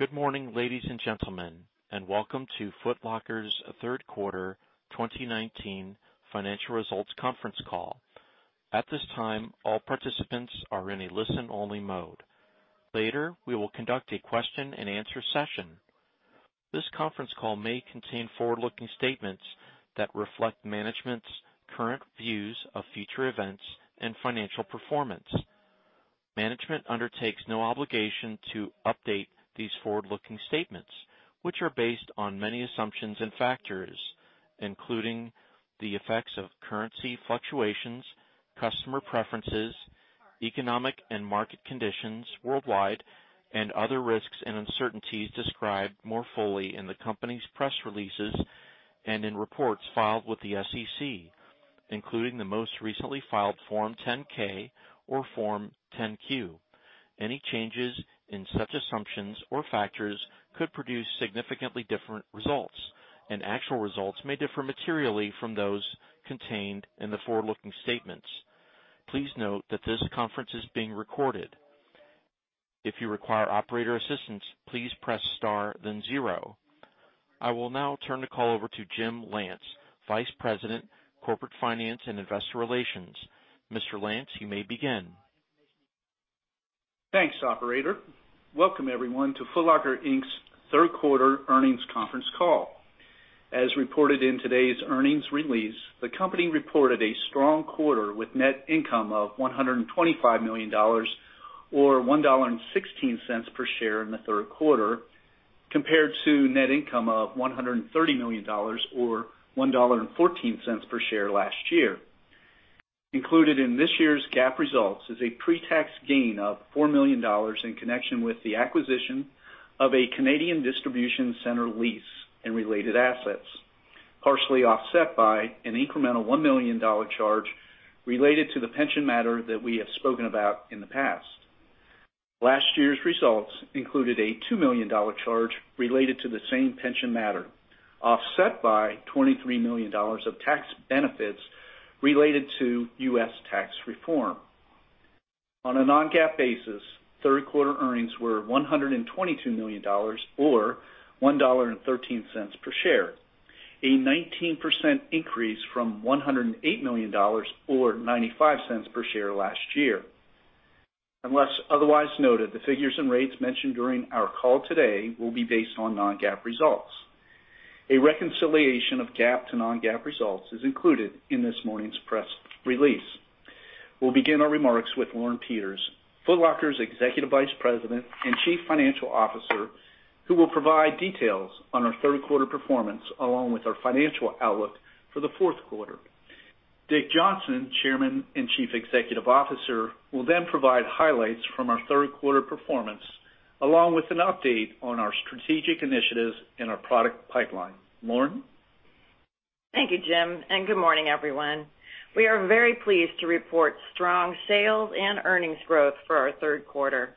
Good morning, ladies and gentlemen, and welcome to Foot Locker's Third Quarter 2019 Financial Results Conference Call. At this time, all participants are in a listen-only mode. Later, we will conduct a question and answer session. This conference call may contain forward-looking statements that reflect management's current views of future events and financial performance. Management undertakes no obligation to update these forward-looking statements, which are based on many assumptions and factors, including the effects of currency fluctuations, customer preferences, economic and market conditions worldwide, and other risks and uncertainties described more fully in the company's press releases and in reports filed with the SEC, including the most recently filed Form 10-K or Form 10-Q. Any changes in such assumptions or factors could produce significantly different results, and actual results may differ materially from those contained in the forward-looking statements. Please note that this conference is being recorded. If you require operator assistance, please press star then zero. I will now turn the call over to Jim Lance, Vice President, Corporate Finance and Investor Relations. Mr. Lance, you may begin. Thanks, operator. Welcome, everyone, to Foot Locker, Inc.'s third quarter earnings conference call. As reported in today's earnings release, the company reported a strong quarter with net income of $125 million, or $1.16 per share in the third quarter, compared to net income of $130 million, or $1.14 per share last year. Included in this year's GAAP results is a pre-tax gain of $4 million in connection with the acquisition of a Canadian distribution center lease and related assets, partially offset by an incremental $1 million charge related to the pension matter that we have spoken about in the past. Last year's results included a $2 million charge related to the same pension matter, offset by $23 million of tax benefits related to U.S. tax reform. On a non-GAAP basis, third quarter earnings were $122 million, or $1.13 per share, a 19% increase from $108 million or $0.95 per share last year. Unless otherwise noted, the figures and rates mentioned during our call today will be based on non-GAAP results. A reconciliation of GAAP to non-GAAP results is included in this morning's press release. We'll begin our remarks with Lauren Peters, Foot Locker's Executive Vice President and Chief Financial Officer, who will provide details on our third quarter performance, along with our financial outlook for the fourth quarter. Dick Johnson, Chairman and Chief Executive Officer, will provide highlights from our third quarter performance, along with an update on our strategic initiatives and our product pipeline. Lauren? Thank you, Jim, and good morning, everyone. We are very pleased to report strong sales and earnings growth for our third quarter.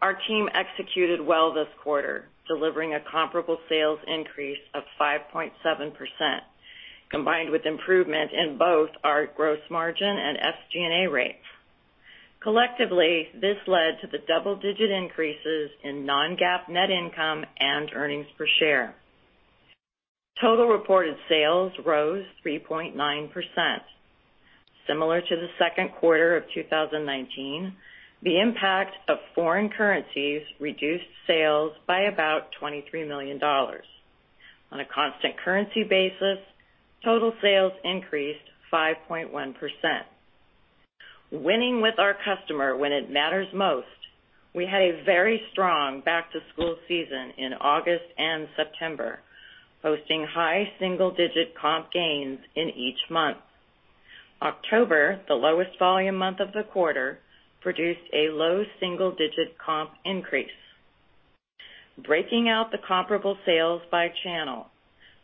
Our team executed well this quarter, delivering a comparable sales increase of 5.7%, combined with improvement in both our gross margin and SG&A rates. Collectively, this led to the double-digit increases in non-GAAP net income and earnings per share. Total reported sales rose 3.9%. Similar to the second quarter of 2019, the impact of foreign currencies reduced sales by about $23 million. On a constant currency basis, total sales increased 5.1%. Winning with our customer when it matters most, we had a very strong back-to-school season in August and September, posting high single-digit comp gains in each month. October, the lowest volume month of the quarter, produced a low single-digit comp increase. Breaking out the comparable sales by channel,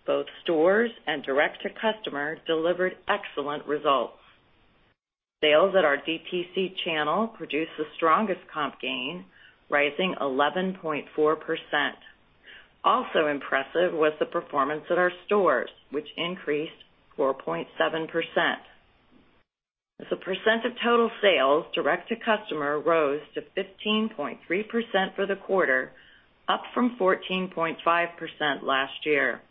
both stores and direct-to-customer delivered excellent results. Sales at our DTC channel produced the strongest comp gain, rising 11.4%. Also impressive was the performance at our stores, which increased 4.7%. As a percent of total sales, direct-to-customer rose to 15.3% for the quarter, up from 14.5% last year.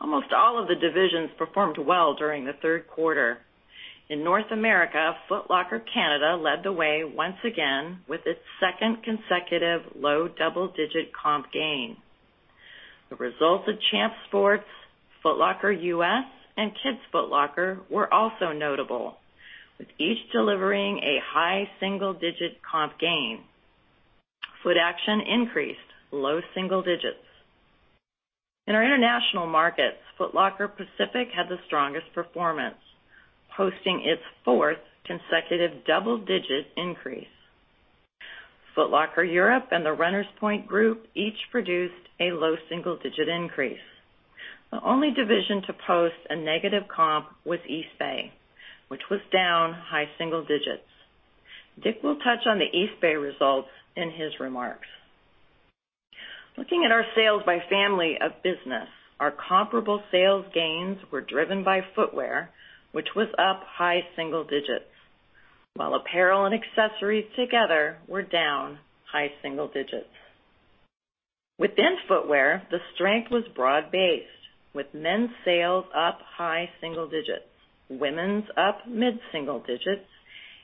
Almost all of the divisions performed well during the third quarter. In North America, Foot Locker Canada led the way once again with its second consecutive low double-digit comp gain. The results of Champs Sports, Foot Locker U.S., and Kids Foot Locker were also notable, with each delivering a high single-digit comp gain. Footaction increased low single digits. In our international markets, Foot Locker Pacific had the strongest performance, posting its fourth consecutive double-digit increase. Foot Locker Europe and the Runners Point group each produced a low single-digit increase. The only division to post a negative comp was Eastbay, which was down high single digits. Dick will touch on the Eastbay results in his remarks. Looking at our sales by family of business, our comparable sales gains were driven by footwear, which was up high single digits. Apparel and accessories together were down high single digits. Within footwear, the strength was broad-based, with men's sales up high single digits, women's up mid single digits,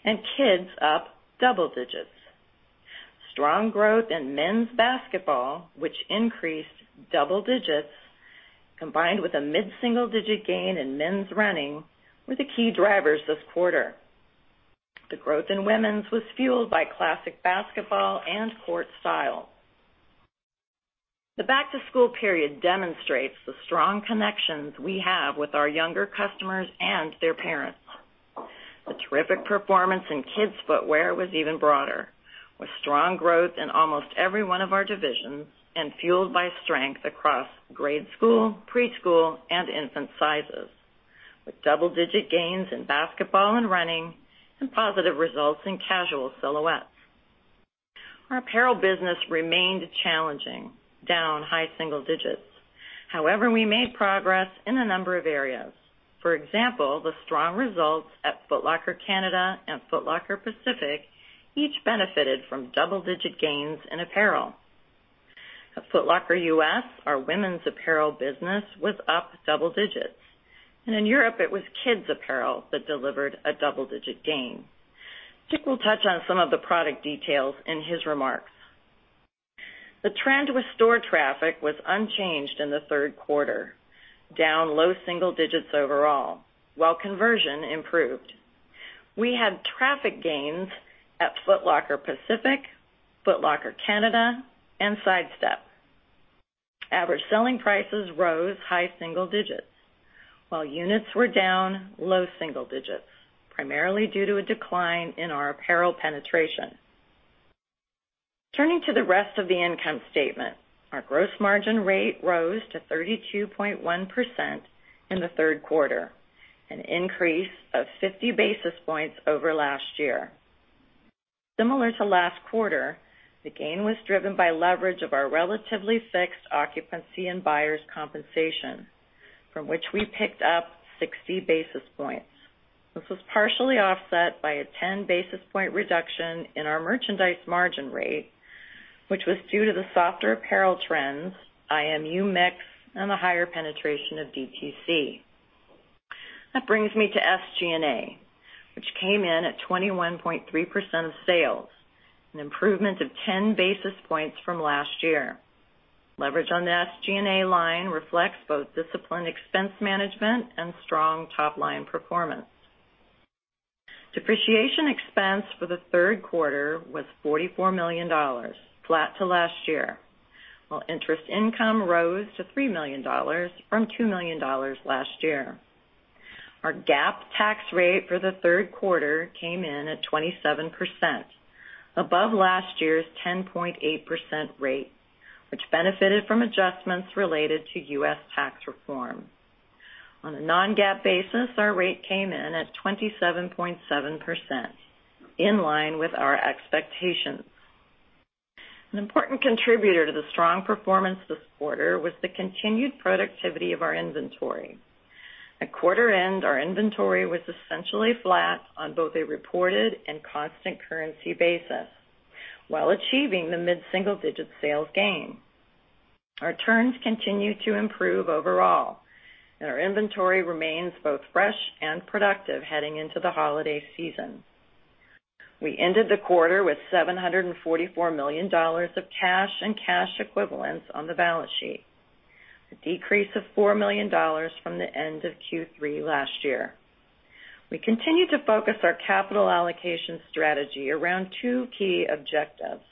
and kids up double digits. Strong growth in men's basketball, which increased double digits combined with a mid single-digit gain in men's running, were the key drivers this quarter. The growth in women's was fueled by classic basketball and court style. The back-to-school period demonstrates the strong connections we have with our younger customers and their parents. The terrific performance in kids footwear was even broader, with strong growth in almost every one of our divisions and fueled by strength across grade school, preschool, and infant sizes, with double-digit gains in basketball and running and positive results in casual silhouettes. Our apparel business remained challenging, down high single digits. However, we made progress in a number of areas. For example, the strong results at Foot Locker Canada and Foot Locker Pacific each benefited from double-digit gains in apparel. At Foot Locker U.S., our women's apparel business was up double digits, and in Europe it was kids apparel that delivered a double-digit gain. Dick will touch on some of the product details in his remarks. The trend with store traffic was unchanged in the third quarter, down low single digits overall, while conversion improved. We had traffic gains at Foot Locker Pacific, Foot Locker Canada, and SIDESTEP. Average selling prices rose high single digits, while units were down low single digits, primarily due to a decline in our apparel penetration. Turning to the rest of the income statement, our gross margin rate rose to 32.1% in the third quarter, an increase of 50 basis points over last year. Similar to last quarter, the gain was driven by leverage of our relatively fixed occupancy and buyers' compensation, from which we picked up 60 basis points. This was partially offset by a 10 basis point reduction in our merchandise margin rate, which was due to the softer apparel trends, IMU mix, and the higher penetration of DTC. That brings me to SG&A, which came in at 21.3% of sales, an improvement of 10 basis points from last year. Leverage on the SG&A line reflects both disciplined expense management and strong top-line performance. Depreciation expense for the third quarter was $44 million, flat to last year, while interest income rose to $3 million from $2 million last year. Our GAAP tax rate for the third quarter came in at 27%, above last year's 10.8% rate, which benefited from adjustments related to U.S. tax reform. On a non-GAAP basis, our rate came in at 27.7%, in line with our expectations. An important contributor to the strong performance this quarter was the continued productivity of our inventory. At quarter end, our inventory was essentially flat on both a reported and constant currency basis while achieving the mid-single-digit sales gain. Our turns continue to improve overall, and our inventory remains both fresh and productive heading into the holiday season. We ended the quarter with $744 million of cash and cash equivalents on the balance sheet, a decrease of $4 million from the end of Q3 last year. We continue to focus our capital allocation strategy around two key objectives.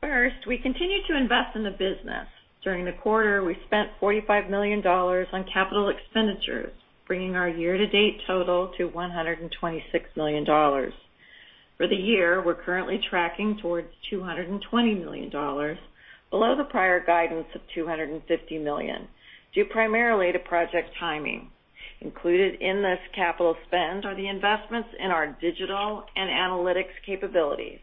First, we continue to invest in the business. During the quarter, we spent $45 million on capital expenditures, bringing our year-to-date total to $126 million. For the year, we're currently tracking towards $220 million, below the prior guidance of $250 million, due primarily to project timing. Included in this capital spend are the investments in our digital and analytics capabilities,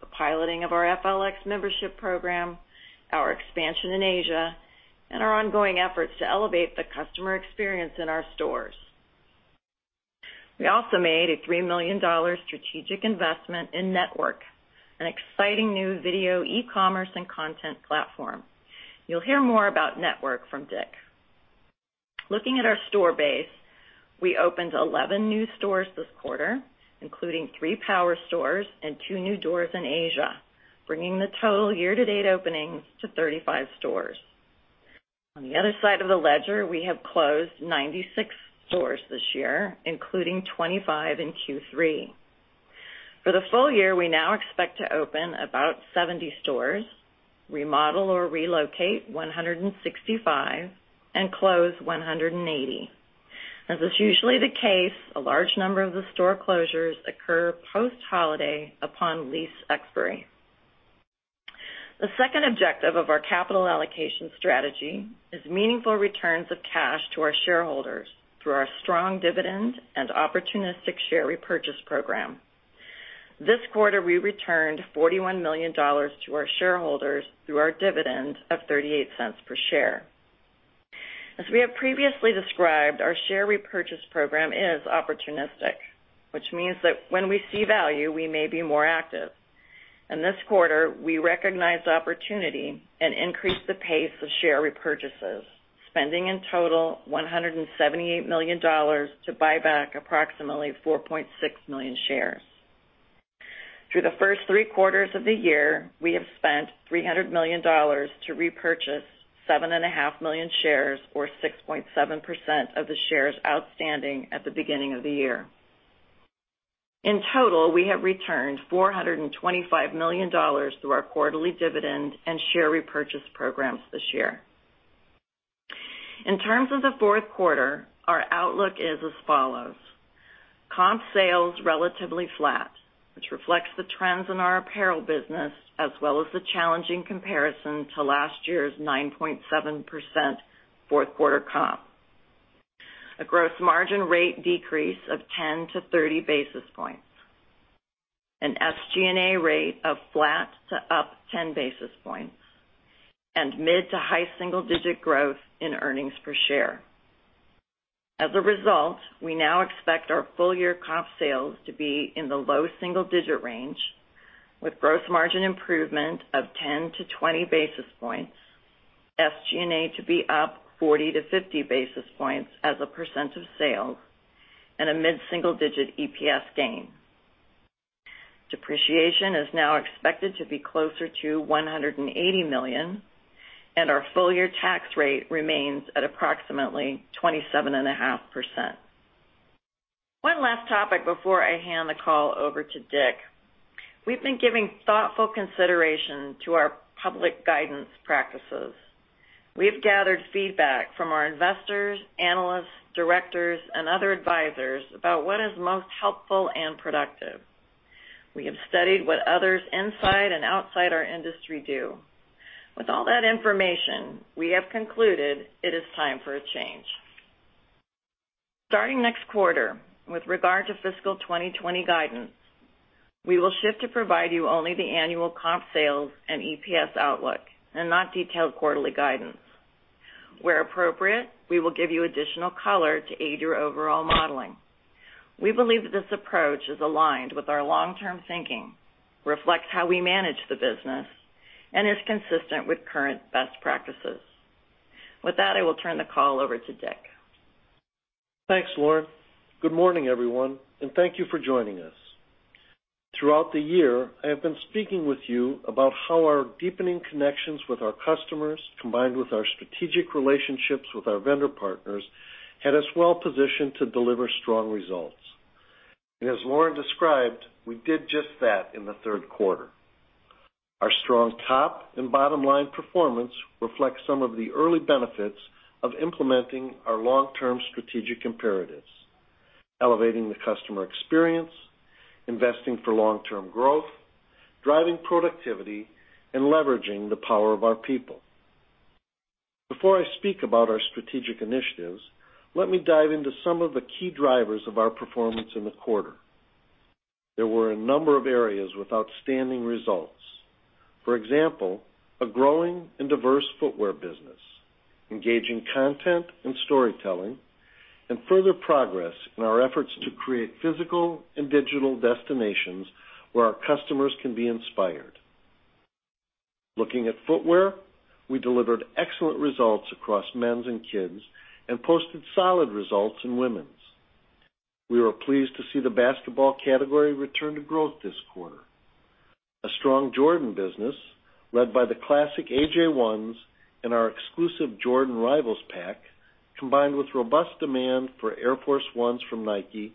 the piloting of our FLX membership program, our expansion in Asia, and our ongoing efforts to elevate the customer experience in our stores. We also made a $3 million strategic investment in NTWRK, an exciting new video, e-commerce, and content platform. You'll hear more about NTWRK from Dick. Looking at our store base, we opened 11 new stores this quarter, including three power stores and two new doors in Asia, bringing the total year-to-date openings to 35 stores. On the other side of the ledger, we have closed 96 stores this year, including 25 in Q3. For the full year, we now expect to open about 70 stores, remodel or relocate 165, and close 180. As is usually the case, a large number of the store closures occur post-holiday upon lease expiry. The second objective of our capital allocation strategy is meaningful returns of cash to our shareholders through our strong dividend and opportunistic share repurchase program. This quarter, we returned $41 million to our shareholders through our dividend of $0.38 per share. As we have previously described, our share repurchase program is opportunistic, which means that when we see value, we may be more active. In this quarter, we recognized opportunity and increased the pace of share repurchases, spending in total $178 million to buy back approximately 4.6 million shares. Through the first three quarters of the year, we have spent $300 million to repurchase 7.5 million shares or 6.7% of the shares outstanding at the beginning of the year. In total, we have returned $425 million through our quarterly dividend and share repurchase programs this year. In terms of the fourth quarter, our outlook is as follows. Comp sales relatively flat, which reflects the trends in our apparel business, as well as the challenging comparison to last year's 9.7% fourth quarter comp. A gross margin rate decrease of 10-30 basis points, an SG&A rate of flat to up 10 basis points, and mid to high single-digit growth in earnings per share. As a result, we now expect our full-year comp sales to be in the low double-digit range, with gross margin improvement of 10-20 basis points, SG&A to be up 40-50 basis points as a percent of sales, and a mid-single-digit EPS gain. Depreciation is now expected to be closer to $180 million, and our full-year tax rate remains at approximately 27.5%. One last topic before I hand the call over to Dick. We've been giving thoughtful consideration to our public guidance practices. We have gathered feedback from our investors, analysts, directors, and other advisors about what is most helpful and productive. We have studied what others inside and outside our industry do. With all that information, we have concluded it is time for a change. Starting next quarter, with regard to fiscal 2020 guidance, we will shift to provide you only the annual comp sales and EPS outlook and not detailed quarterly guidance. Where appropriate, we will give you additional color to aid your overall modeling. We believe that this approach is aligned with our long-term thinking, reflects how we manage the business, and is consistent with current best practices. With that, I will turn the call over to Dick. Thanks, Lauren. Good morning, everyone, and thank you for joining us. Throughout the year, I have been speaking with you about how our deepening connections with our customers, combined with our strategic relationships with our vendor partners, had us well positioned to deliver strong results. As Lauren described, we did just that in the third quarter. Our strong top and bottom line performance reflects some of the early benefits of implementing our long-term strategic imperatives. Elevating the customer experience, investing for long-term growth, driving productivity, and leveraging the power of our people. Before I speak about our strategic initiatives, let me dive into some of the key drivers of our performance in the quarter. There were a number of areas with outstanding results. For example, a growing and diverse footwear business, engaging content and storytelling, and further progress in our efforts to create physical and digital destinations where our customers can be inspired. Looking at footwear, we delivered excellent results across men's and kids' and posted solid results in women's. We were pleased to see the basketball category return to growth this quarter. A strong Jordan business, led by the classic AJ1s and our exclusive Jordan Rivals pack, combined with robust demand for Air Force 1s from Nike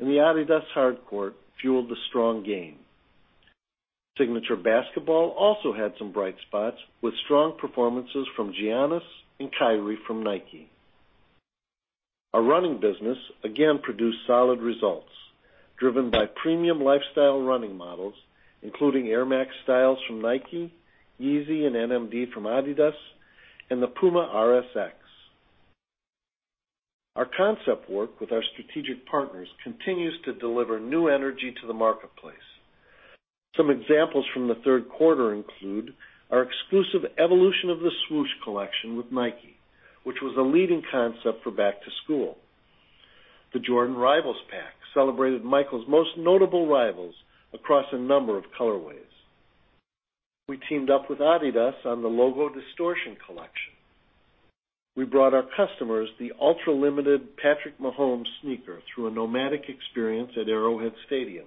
and the Adidas Hard Court fueled the strong gain. Signature basketball also had some bright spots with strong performances from Giannis and Kyrie from Nike. Our running business again produced solid results, driven by premium lifestyle running models, including Air Max styles from Nike, Yeezy and NMD from Adidas, and the PUMA RS-X. Our concept work with our strategic partners continues to deliver new energy to the marketplace. Some examples from the third quarter include our exclusive Evolution of the Swoosh collection with Nike, which was a leading concept for back to school. The Jordan Rivals pack celebrated Michael's most notable rivals across a number of colorways. We teamed up with adidas on the Logo Distortion collection. We brought our customers the ultra-limited Pat Mahomes sneaker through a nomadic experience at Arrowhead Stadium,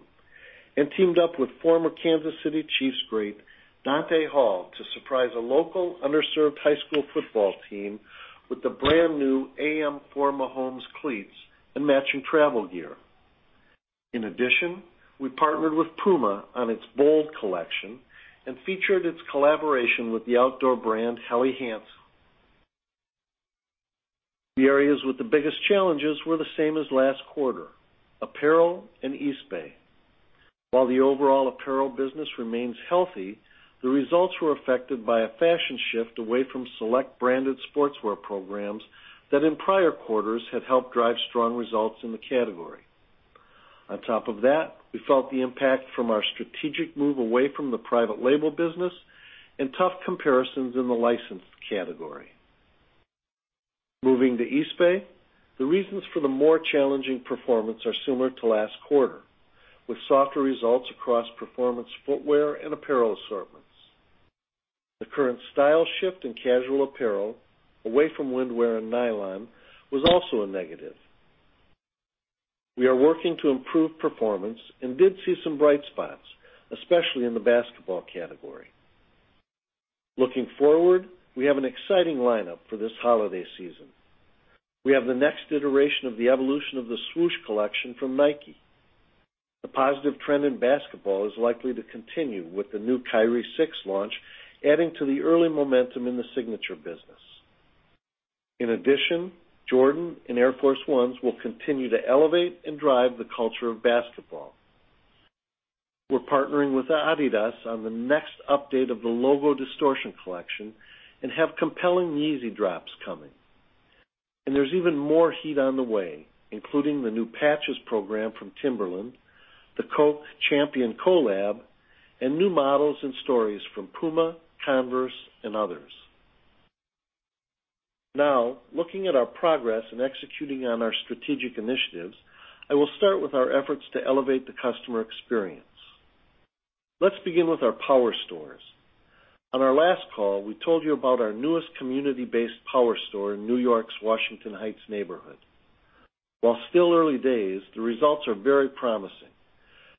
and teamed up with former Kansas City Chiefs great Dante Hall to surprise a local underserved high school football team with the brand-new AM4 Mahomes cleats and matching travel gear. We partnered with PUMA on its Bold collection and featured its collaboration with the outdoor brand Helly Hansen. The areas with the biggest challenges were the same as last quarter, apparel and Eastbay. While the overall apparel business remains healthy, the results were affected by a fashion shift away from select branded sportswear programs that in prior quarters had helped drive strong results in the category. On top of that, we felt the impact from our strategic move away from the private label business and tough comparisons in the licensed category. Moving to Eastbay, the reasons for the more challenging performance are similar to last quarter, with softer results across performance footwear and apparel assortments. The current style shift in casual apparel away from windwear and nylon was also a negative. We are working to improve performance and did see some bright spots, especially in the basketball category. Looking forward, we have an exciting lineup for this holiday season. We have the next iteration of the Evolution of the Swoosh collection from Nike. The positive trend in basketball is likely to continue with the new Kyrie 6 launch, adding to the early momentum in the signature business. Jordan and Air Force 1s will continue to elevate and drive the culture of basketball. We're partnering with adidas on the next update of the Logo Distortion collection and have compelling Yeezy drops coming. There's even more heat on the way, including the new Patches program from Timberland, the Champion collab, and new models and stories from PUMA, Converse, and others. Looking at our progress in executing on our strategic initiatives, I will start with our efforts to elevate the customer experience. Let's begin with our power stores. On our last call, we told you about our newest community-based power store in New York's Washington Heights neighborhood. While still early days, the results are very promising.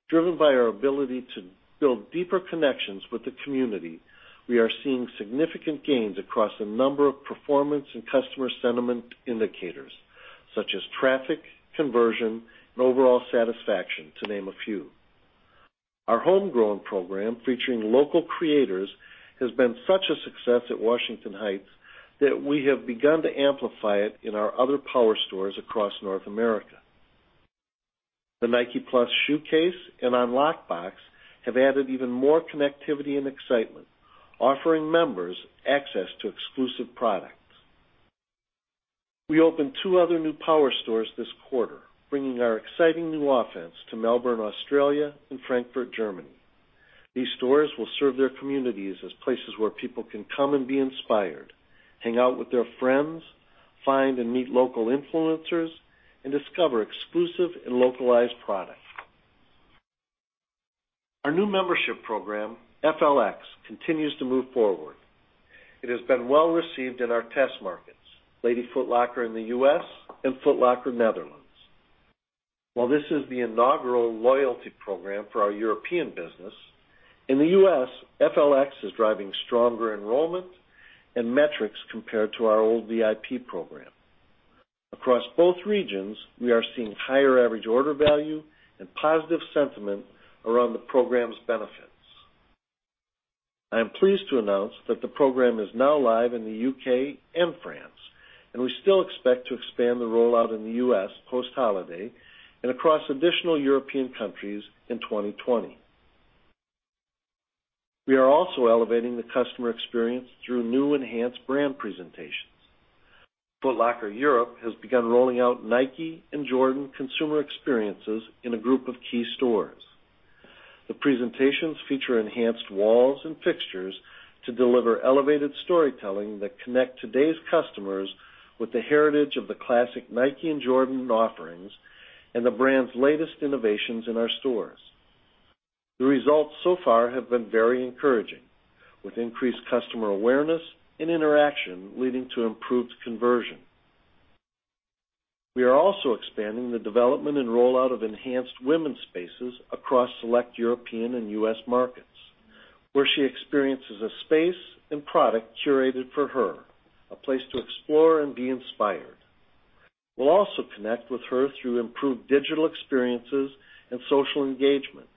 Driven by our ability to build deeper connections with the community, we are seeing significant gains across a number of performance and customer sentiment indicators, such as traffic, conversion, and overall satisfaction, to name a few. Our homegrown program featuring local creators has been such a success at Washington Heights that we have begun to amplify it in our other power stores across North America. The NikePlus ShoeCase and Unlock Box have added even more connectivity and excitement, offering members access to exclusive products. We opened two other new power stores this quarter, bringing our exciting new offense to Melbourne, Australia and Frankfurt, Germany. These stores will serve their communities as places where people can come and be inspired, hang out with their friends, find and meet local influencers, and discover exclusive and localized product. Our new membership program, FLX, continues to move forward. It has been well received in our test markets, Lady Foot Locker in the U.S. and Foot Locker Netherlands. While this is the inaugural loyalty program for our European business, in the U.S., FLX is driving stronger enrollment and metrics compared to our old VIP program. Across both regions, we are seeing higher average order value and positive sentiment around the program's benefits. I am pleased to announce that the program is now live in the U.K. and France. We still expect to expand the rollout in the U.S. post-holiday and across additional European countries in 2020. We are also elevating the customer experience through new enhanced brand presentations. Foot Locker Europe has begun rolling out Nike and Jordan consumer experiences in a group of key stores. The presentations feature enhanced walls and fixtures to deliver elevated storytelling that connect today's customers with the heritage of the classic Nike and Jordan offerings and the brand's latest innovations in our stores. The results so far have been very encouraging, with increased customer awareness and interaction leading to improved conversion. We are also expanding the development and rollout of enhanced women's spaces across select European and U.S. markets, where she experiences a space and product curated for her, a place to explore and be inspired. We'll also connect with her through improved digital experiences and social engagement.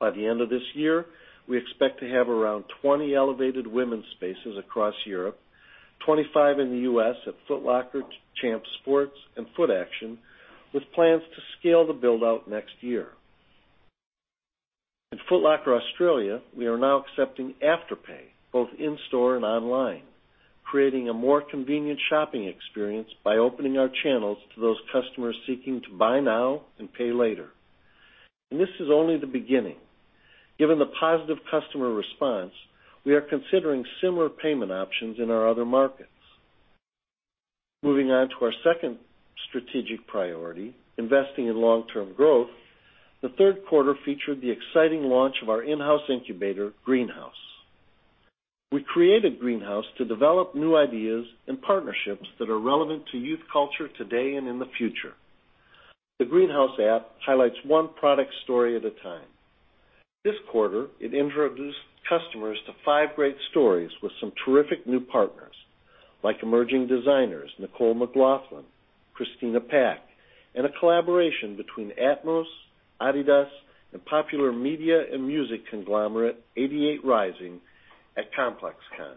By the end of this year, we expect to have around 20 elevated women's spaces across Europe, 25 in the U.S. at Foot Locker, Champs Sports, and Footaction, with plans to scale the build-out next year. At Foot Locker Australia, we are now accepting Afterpay both in-store and online, creating a more convenient shopping experience by opening our channels to those customers seeking to buy now and pay later. This is only the beginning. Given the positive customer response, we are considering similar payment options in our other markets. Moving on to our second strategic priority, investing in long-term growth, the third quarter featured the exciting launch of our in-house incubator, Greenhouse. We created Greenhouse to develop new ideas and partnerships that are relevant to youth culture today and in the future. The Greenhouse app highlights one product story at a time. This quarter, it introduced customers to five great stories with some terrific new partners, like emerging designers Nicole McLaughlin, Christina Paik, and a collaboration between atmos, adidas, and popular media and music conglomerate 88rising at ComplexCon.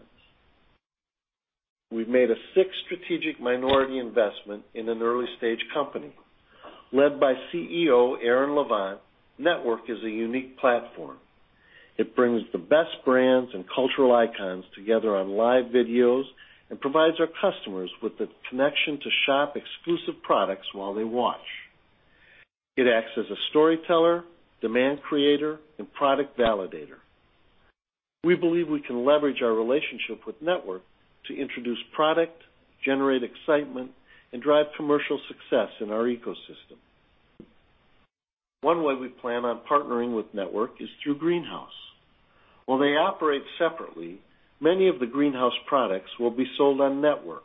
We've made a sixth strategic minority investment in an early-stage company. Led by CEO Aaron Levant, NTWRK is a unique platform. It brings the best brands and cultural icons together on live videos and provides our customers with the connection to shop exclusive products while they watch. It acts as a storyteller, demand creator, and product validator. We believe we can leverage our relationship with NTWRK to introduce product, generate excitement, and drive commercial success in our ecosystem. One way we plan on partnering with NTWRK is through Greenhouse. While they operate separately, many of the Greenhouse products will be sold on NTWRK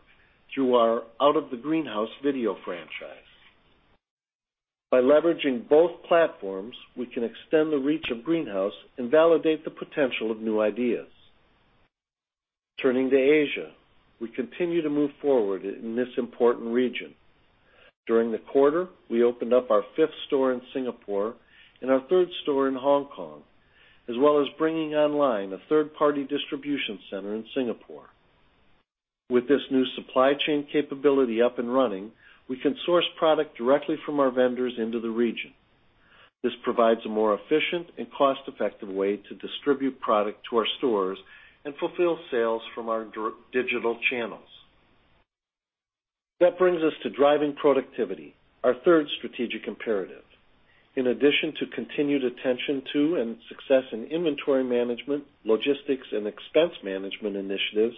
through our Out of the Greenhouse video franchise. By leveraging both platforms, we can extend the reach of Greenhouse and validate the potential of new ideas. Turning to Asia, we continue to move forward in this important region. During the quarter, we opened up our fifth store in Singapore and our third store in Hong Kong, as well as bringing online a third-party distribution center in Singapore. With this new supply chain capability up and running, we can source product directly from our vendors into the region. This provides a more efficient and cost-effective way to distribute product to our stores and fulfill sales from our digital channels. That brings us to driving productivity, our third strategic imperative. In addition to continued attention to and success in inventory management, logistics and expense management initiatives,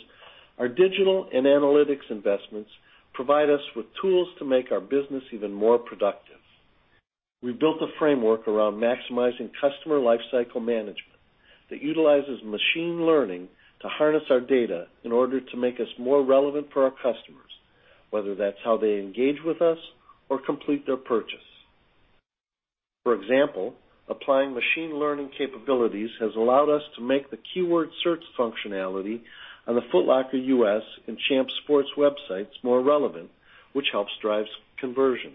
our digital and analytics investments provide us with tools to make our business even more productive. We built a framework around maximizing customer lifecycle management that utilizes machine learning to harness our data in order to make us more relevant for our customers, whether that's how they engage with us or complete their purchase. For example, applying machine learning capabilities has allowed us to make the keyword search functionality on the Foot Locker U.S. and Champs Sports websites more relevant, which helps drive conversion.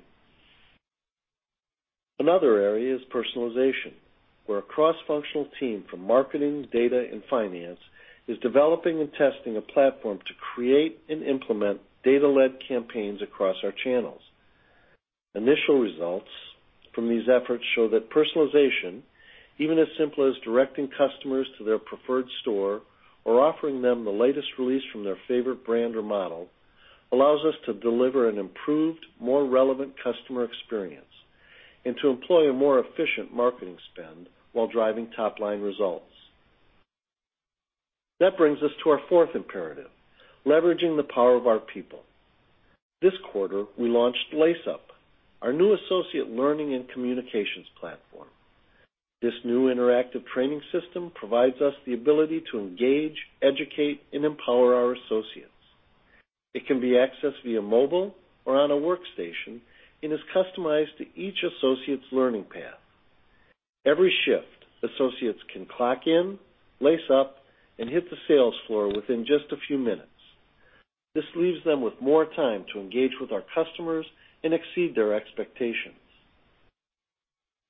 Another area is personalization, where a cross-functional team from marketing, data, and finance is developing and testing a platform to create and implement data-led campaigns across our channels. Initial results from these efforts show that personalization, even as simple as directing customers to their preferred store or offering them the latest release from their favorite brand or model, allows us to deliver an improved, more relevant customer experience and to employ a more efficient marketing spend while driving top-line results. That brings us to our fourth imperative, leveraging the power of our people. This quarter, we launched Lace Up, our new associate learning and communications platform. This new interactive training system provides us the ability to engage, educate, and empower our associates. It can be accessed via mobile or on a workstation and is customized to each associate's learning path. Every shift, associates can clock in, Lace Up, and hit the sales floor within just a few minutes. This leaves them with more time to engage with our customers and exceed their expectations.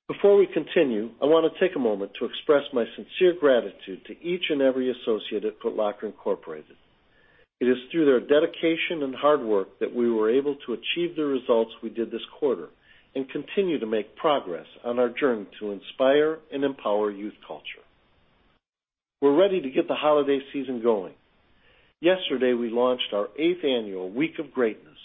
Before we continue, I want to take a moment to express my sincere gratitude to each and every associate at Foot Locker, Inc. It is through their dedication and hard work that we were able to achieve the results we did this quarter and continue to make progress on our journey to inspire and empower youth culture. We're ready to get the holiday season going. Yesterday, we launched our eighth annual Week of Greatness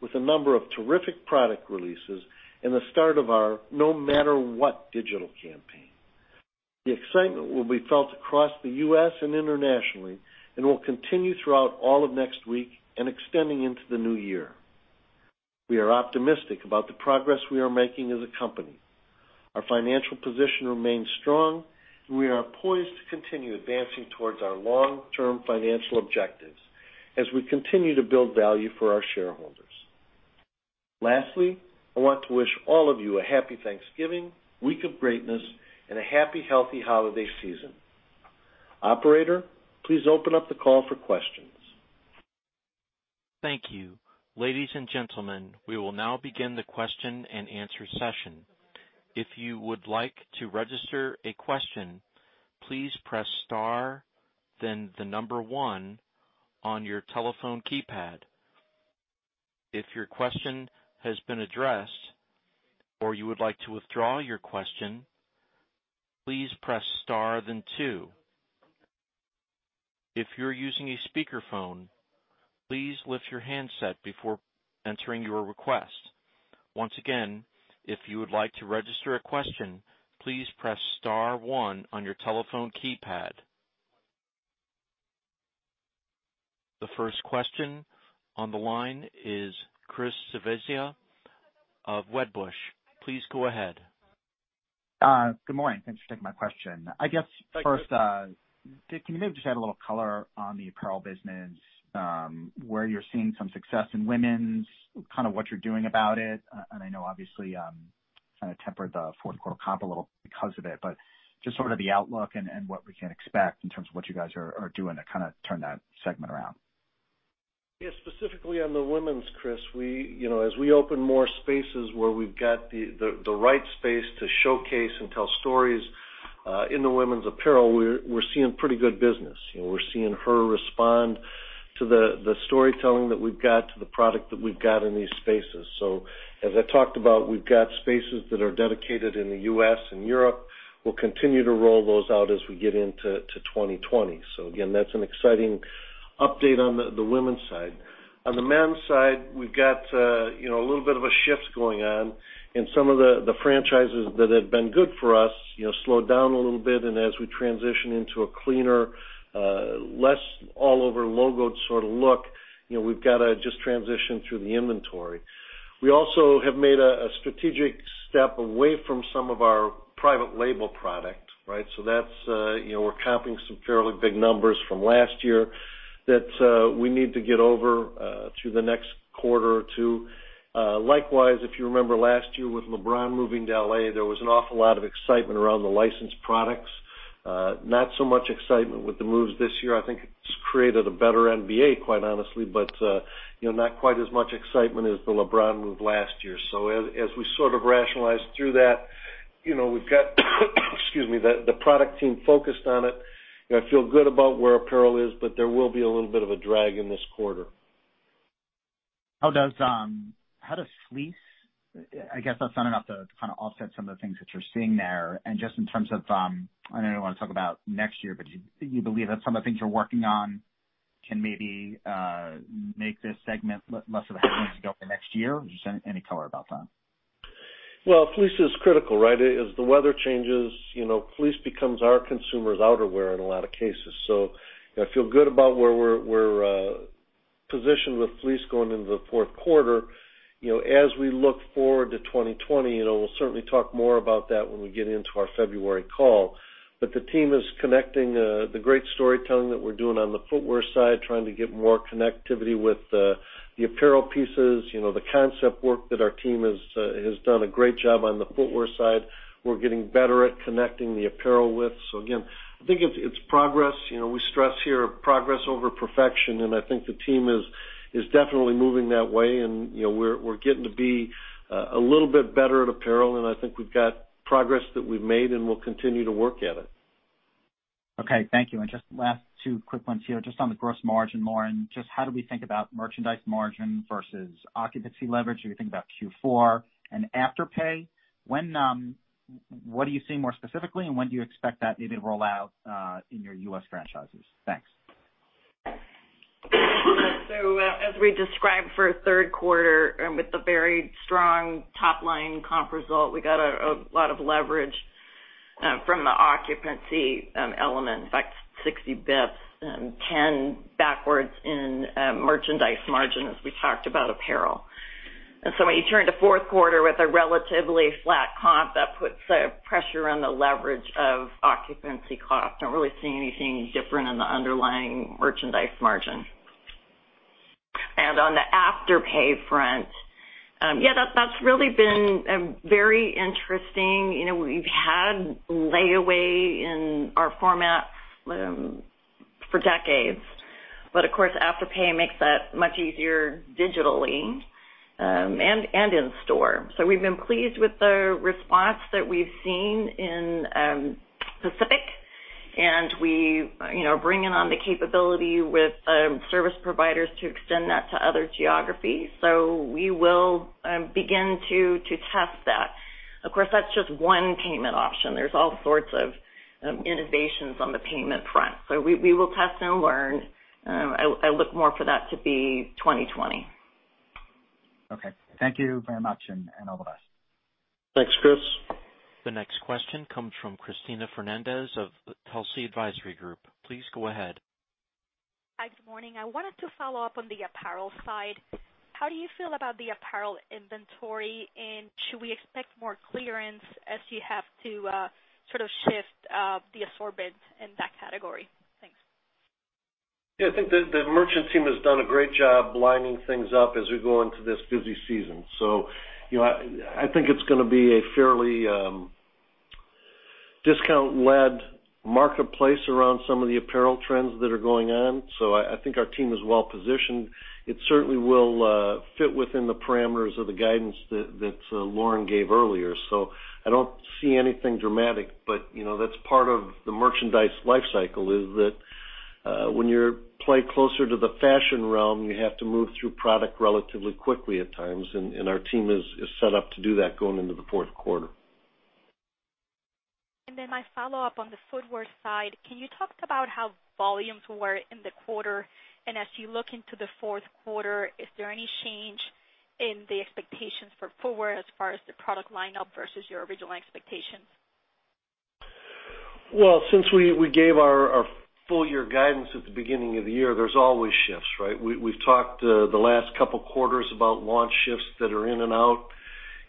with a number of terrific product releases and the start of our No Matter What digital campaign. The excitement will be felt across the U.S. and internationally and will continue throughout all of next week and extending into the new year. We are optimistic about the progress we are making as a company. Our financial position remains strong, and we are poised to continue advancing towards our long-term financial objectives as we continue to build value for our shareholders. Lastly, I want to wish all of you a Happy Thanksgiving, Week of Greatness, and a happy, healthy holiday season. Operator, please open up the call for questions. Thank you. Ladies and gentlemen, we will now begin the question-and-answer session. If you would like to register a question, please press star, then the number one on your telephone keypad. If your question has been addressed or you would like to withdraw your question, please press star, then two. If you're using a speakerphone, please lift your handset before entering your request. Once again, if you would like to register a question, please press star one on your telephone keypad. The first question on the line is Chris Svezia of Wedbush. Please go ahead. Good morning. Thanks for taking my question. Thank you. I guess first, can you maybe just add a little color on the apparel business where you're seeing some success in women's, kind of what you're doing about it? I know obviously, kind of tempered the fourth quarter comp a little because of it, but just sort of the outlook and what we can expect in terms of what you guys are doing to kind of turn that segment around. Yes. Specifically on the women's, Chris, as we open more spaces where we've got the right space to showcase and tell stories in the women's apparel, we're seeing pretty good business. We're seeing her respond to the storytelling that we've got, to the product that we've got in these spaces. As I talked about, we've got spaces that are dedicated in the U.S. and Europe. We'll continue to roll those out as we get into 2020. Again, that's an exciting update on the women's side. On the men's side, we've got a little bit of a shift going on in some of the franchises that have been good for us, slowed down a little bit. As we transition into a cleaner, less all-over logo sort of look, we've got to just transition through the inventory. We also have made a strategic step away from some of our private label product. We're comping some fairly big numbers from last year that we need to get over through the next quarter or two. Likewise, if you remember last year with LeBron moving to L.A., there was an awful lot of excitement around the licensed products. Not so much excitement with the moves this year. I think it's created a better NBA, quite honestly, but not quite as much excitement as the LeBron move last year. As we sort of rationalize through that, we've got the product team focused on it. I feel good about where apparel is, but there will be a little bit of a drag in this quarter. How does fleece, I guess that's done enough to kind of offset some of the things that you're seeing there? Just in terms of, I know you want to talk about next year, but do you believe that some of the things you're working on can maybe make this segment less of a headwind to go for next year? Just any color about that? Well, fleece is critical, right? As the weather changes, fleece becomes our consumer's outerwear in a lot of cases. I feel good about where we're positioned with fleece going into the fourth quarter. As we look forward to 2020, we'll certainly talk more about that when we get into our February call. The team is connecting the great storytelling that we're doing on the footwear side, trying to get more connectivity with the apparel pieces. The concept work that our team has done a great job on the footwear side, we're getting better at connecting the apparel with. Again, I think it's progress. We stress here progress over perfection, and I think the team is definitely moving that way. We're getting to be a little bit better at apparel, and I think we've got progress that we've made, and we'll continue to work at it. Okay. Thank you. Just last two quick ones here, just on the gross margin, Lauren. Just how do we think about merchandise margin versus occupancy leverage as we think about Q4 and Afterpay? What are you seeing more specifically, and when do you expect that maybe to roll out in your U.S. franchises? Thanks. As we described for third quarter with the very strong top-line comp result, we got a lot of leverage from the occupancy element, in fact, 60 basis points and 10 basis points in merchandise margin as we talked about apparel. When you turn to fourth quarter with a relatively flat comp, that puts a pressure on the leverage of occupancy cost. Don't really see anything different in the underlying merchandise margin. On the Afterpay front, yeah, that's really been very interesting. We've had layaway in our formats for decades. Of course, Afterpay makes that much easier digitally and in store. We've been pleased with the response that we've seen in Pacific, and we bring in on the capability with service providers to extend that to other geographies. We will begin to test that. Of course, that's just one payment option. There's all sorts of innovations on the payment front. We will test and learn. I look more for that to be 2020. Okay. Thank you very much, and all the best. Thanks, Chris. The next question comes from Cristina Fernández of Telsey Advisory Group. Please go ahead. Hi, good morning. I wanted to follow up on the apparel side. How do you feel about the apparel inventory, and should we expect more clearance as you have to sort of shift the assortments in that category? Thanks. Yeah, I think the merchant team has done a great job lining things up as we go into this busy season. I think it's going to be a fairly discount-led marketplace around some of the apparel trends that are going on. I think our team is well-positioned. It certainly will fit within the parameters of the guidance that Lauren gave earlier. I don't see anything dramatic, but that's part of the merchandise life cycle, is that when you play closer to the fashion realm, you have to move through product relatively quickly at times, and our team is set up to do that going into the fourth quarter. My follow-up on the footwear side. Can you talk about how volumes were in the quarter? As you look into the fourth quarter, is there any change in the expectations for footwear as far as the product lineup versus your original expectations? Well, since we gave our full year guidance at the beginning of the year, there's always shifts, right? We've talked the last couple quarters about launch shifts that are in and out.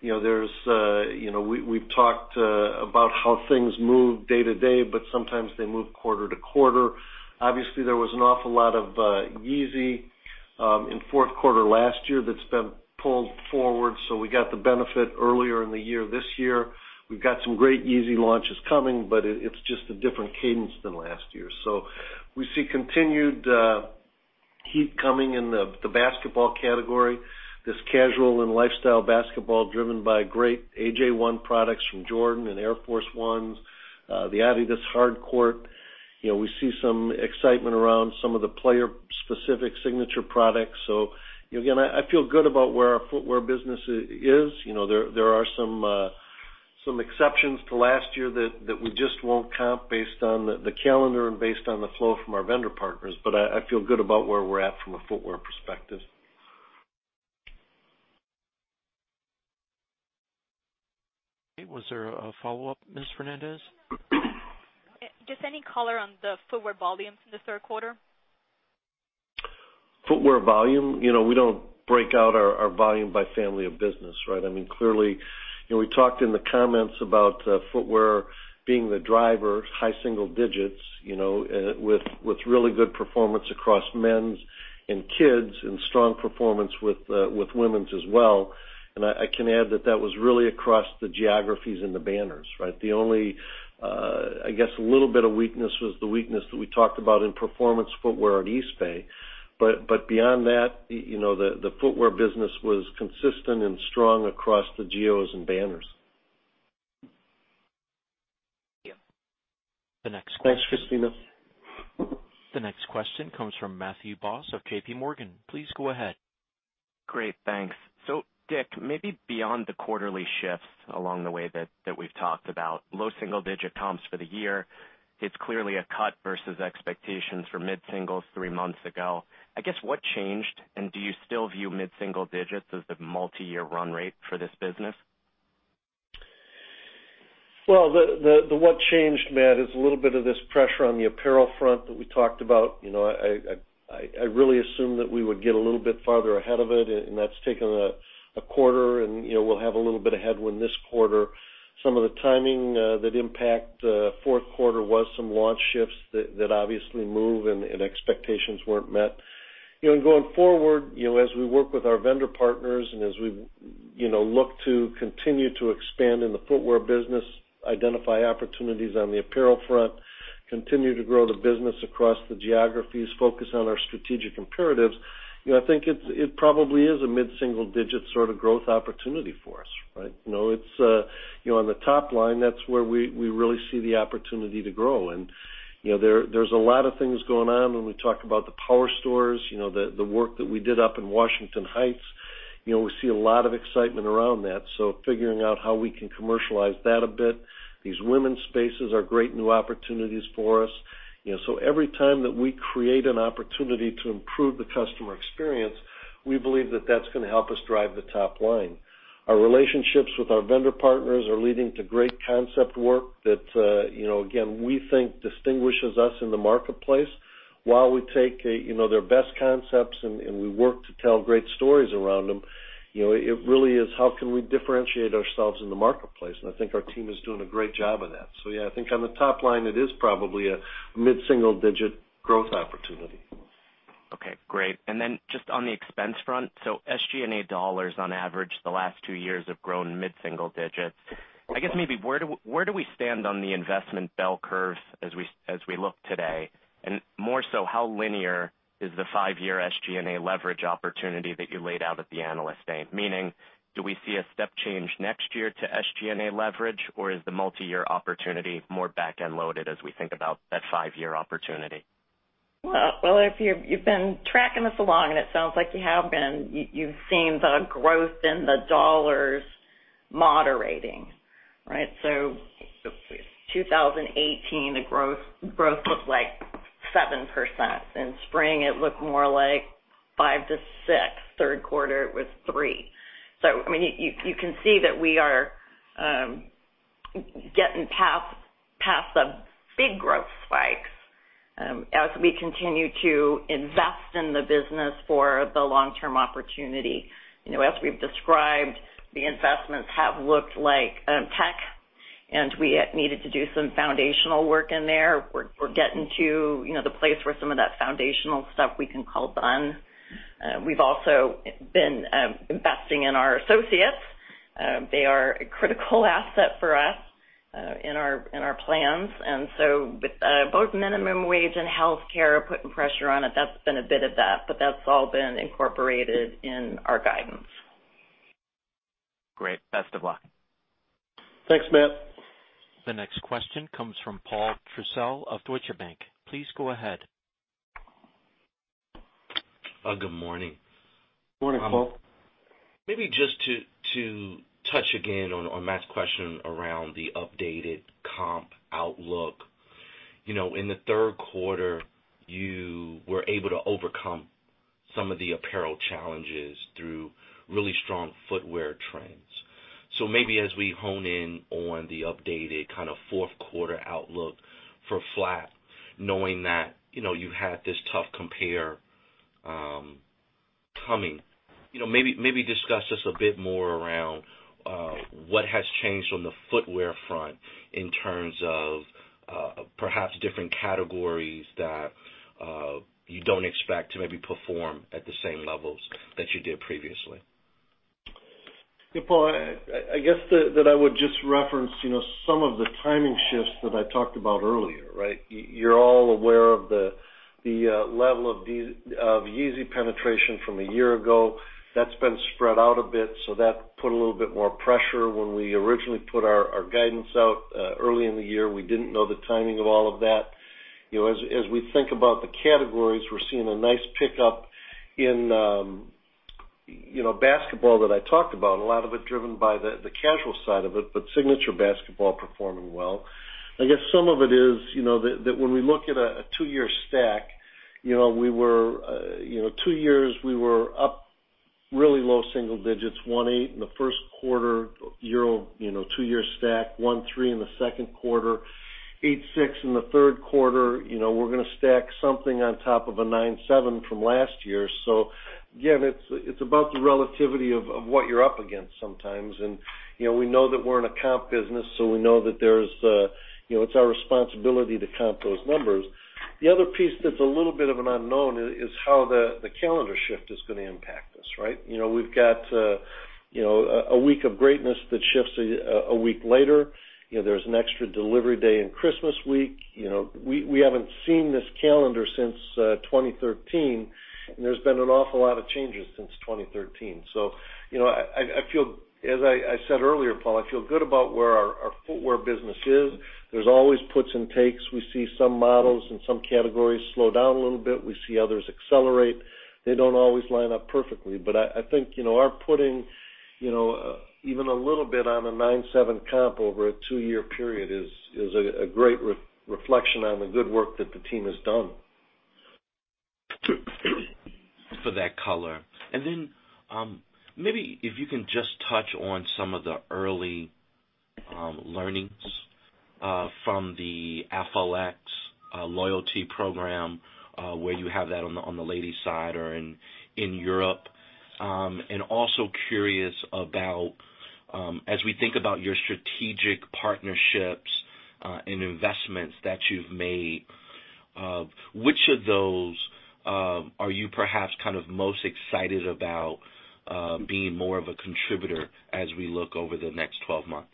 We've talked about how things move day to day, but sometimes they move quarter to quarter. Obviously, there was an awful lot of Yeezy in fourth quarter last year that's been pulled forward. We got the benefit earlier in the year this year. We've got some great Yeezy launches coming, but it's just a different cadence than last year. We see continued heat coming in the basketball category, this casual and lifestyle basketball driven by great AJ1s products from Jordan and Air Force 1s. The adidas Harden. We see some excitement around some of the player-specific signature products. Again, I feel good about where our footwear business is. There are some exceptions to last year that we just won't count based on the calendar and based on the flow from our vendor partners. I feel good about where we're at from a footwear perspective. Okay. Was there a follow-up, Ms. Fernández? Just any color on the footwear volumes in the third quarter. Footwear volume. We don't break out our volume by family of business, right? Clearly, we talked in the comments about footwear being the driver, high single digits, with really good performance across men's and kids and strong performance with women's as well. I can add that that was really across the geographies and the banners, right? The only, I guess, little bit of weakness was the weakness that we talked about in performance footwear at Eastbay. Beyond that, the footwear business was consistent and strong across the geos and banners. Yeah. The next question. Thanks, Cristina. The next question comes from Matthew Boss of JPMorgan. Please go ahead. Great. Thanks. Dick, maybe beyond the quarterly shifts along the way that we've talked about. Low single-digit comps for the year, it's clearly a cut versus expectations for mid-singles three months ago. I guess, what changed? Do you still view mid-single digits as the multi-year run rate for this business? Well, the what changed, Matt, is a little bit of this pressure on the apparel front that we talked about. I really assumed that we would get a little bit farther ahead of it, and that's taken a quarter, and we'll have a little bit of headwind this quarter. Some of the timing that impact fourth quarter was some launch shifts that obviously move and expectations weren't met. Going forward, as we work with our vendor partners and as we look to continue to expand in the footwear business, identify opportunities on the apparel front, continue to grow the business across the geographies, focus on our strategic imperatives, I think it probably is a mid-single digit sort of growth opportunity for us, right? On the top line, that's where we really see the opportunity to grow. There's a lot of things going on when we talk about the power stores, the work that we did up in Washington Heights. We see a lot of excitement around that, so figuring out how we can commercialize that a bit. These women's spaces are great new opportunities for us. Every time that we create an opportunity to improve the customer experience, we believe that that's going to help us drive the top line. Our relationships with our vendor partners are leading to great concept work that, again, we think distinguishes us in the marketplace. While we take their best concepts and we work to tell great stories around them, it really is how can we differentiate ourselves in the marketplace, and I think our team is doing a great job of that. Yeah, I think on the top line, it is probably a mid-single digit growth opportunity. Okay. Great. Just on the expense front. SG&A dollars on average the last two years have grown mid-single digits. I guess maybe where do we stand on the investment bell curve as we look today? More so, how linear is the five-year SG&A leverage opportunity that you laid out at the Analyst Day? Meaning, do we see a step change next year to SG&A leverage, or is the multi-year opportunity more back-end loaded as we think about that five-year opportunity? Well, if you've been tracking us along, and it sounds like you have been, you've seen the growth in the dollars moderating, right? 2018, the growth looked like 7%. In spring, it looked more like 5%-6%. Third quarter, it was 3%. You can see that we are getting past the big growth spikes as we continue to invest in the business for the long-term opportunity. As we've described, the investments have looked like tech, and we needed to do some foundational work in there. We're getting to the place where some of that foundational stuff we can call done. We've also been investing in our associates. They are a critical asset for us in our plans. With both minimum wage and healthcare putting pressure on it, that's been a bit of that, but that's all been incorporated in our guidance. Great. Best of luck. Thanks, Matt. The next question comes from Paul Trussell of Deutsche Bank. Please go ahead. Good morning. Morning, Paul. Maybe just to touch again on Matt's question around the updated comp outlook. In the third quarter, you were able to overcome some of the apparel challenges through really strong footwear trends. Maybe as we hone in on the updated fourth quarter outlook for flat, knowing that you had this tough compare coming, discuss just a bit more around what has changed on the footwear front in terms of perhaps different categories that you don't expect to maybe perform at the same levels that you did previously. Yeah, Paul, I guess that I would just reference some of the timing shifts that I talked about earlier, right? You're all aware of the level of Yeezy penetration from a year ago. That's been spread out a bit, so that put a little bit more pressure. When we originally put our guidance out early in the year, we didn't know the timing of all of that. As we think about the categories, we're seeing a nice pickup in basketball that I talked about, a lot of it driven by the casual side of it, but signature basketball performing well. I guess some of it is that when we look at a two-year stack, two years we were up really low single digits, 1.8 in the first quarter year-over-two-year stack, 1.3 in the second quarter, 8.6 in the third quarter. We're going to stack something on top of a 9.7% from last year. Again, it's about the relativity of what you're up against sometimes. We know that we're in a comp business, so we know that it's our responsibility to count those numbers. The other piece that's a little bit of an unknown is how the calendar shift is going to impact us. We've got a Week of Greatness that shifts a week later. There's an extra delivery day in Christmas week. We haven't seen this calendar since 2013, and there's been an awful lot of changes since 2013. As I said earlier, Paul, I feel good about where our footwear business is. There's always puts and takes. We see some models and some categories slow down a little bit. We see others accelerate. They don't always line up perfectly. I think, our putting even a little bit on a 9.7% comp over a two-year period is a great reflection on the good work that the team has done. For that color. Maybe if you can just touch on some of the early learnings from the FLX loyalty program, where you have that on the ladies' side or in Europe. Also curious about, as we think about your strategic partnerships and investments that you've made, which of those are you perhaps most excited about being more of a contributor as we look over the next 12 months?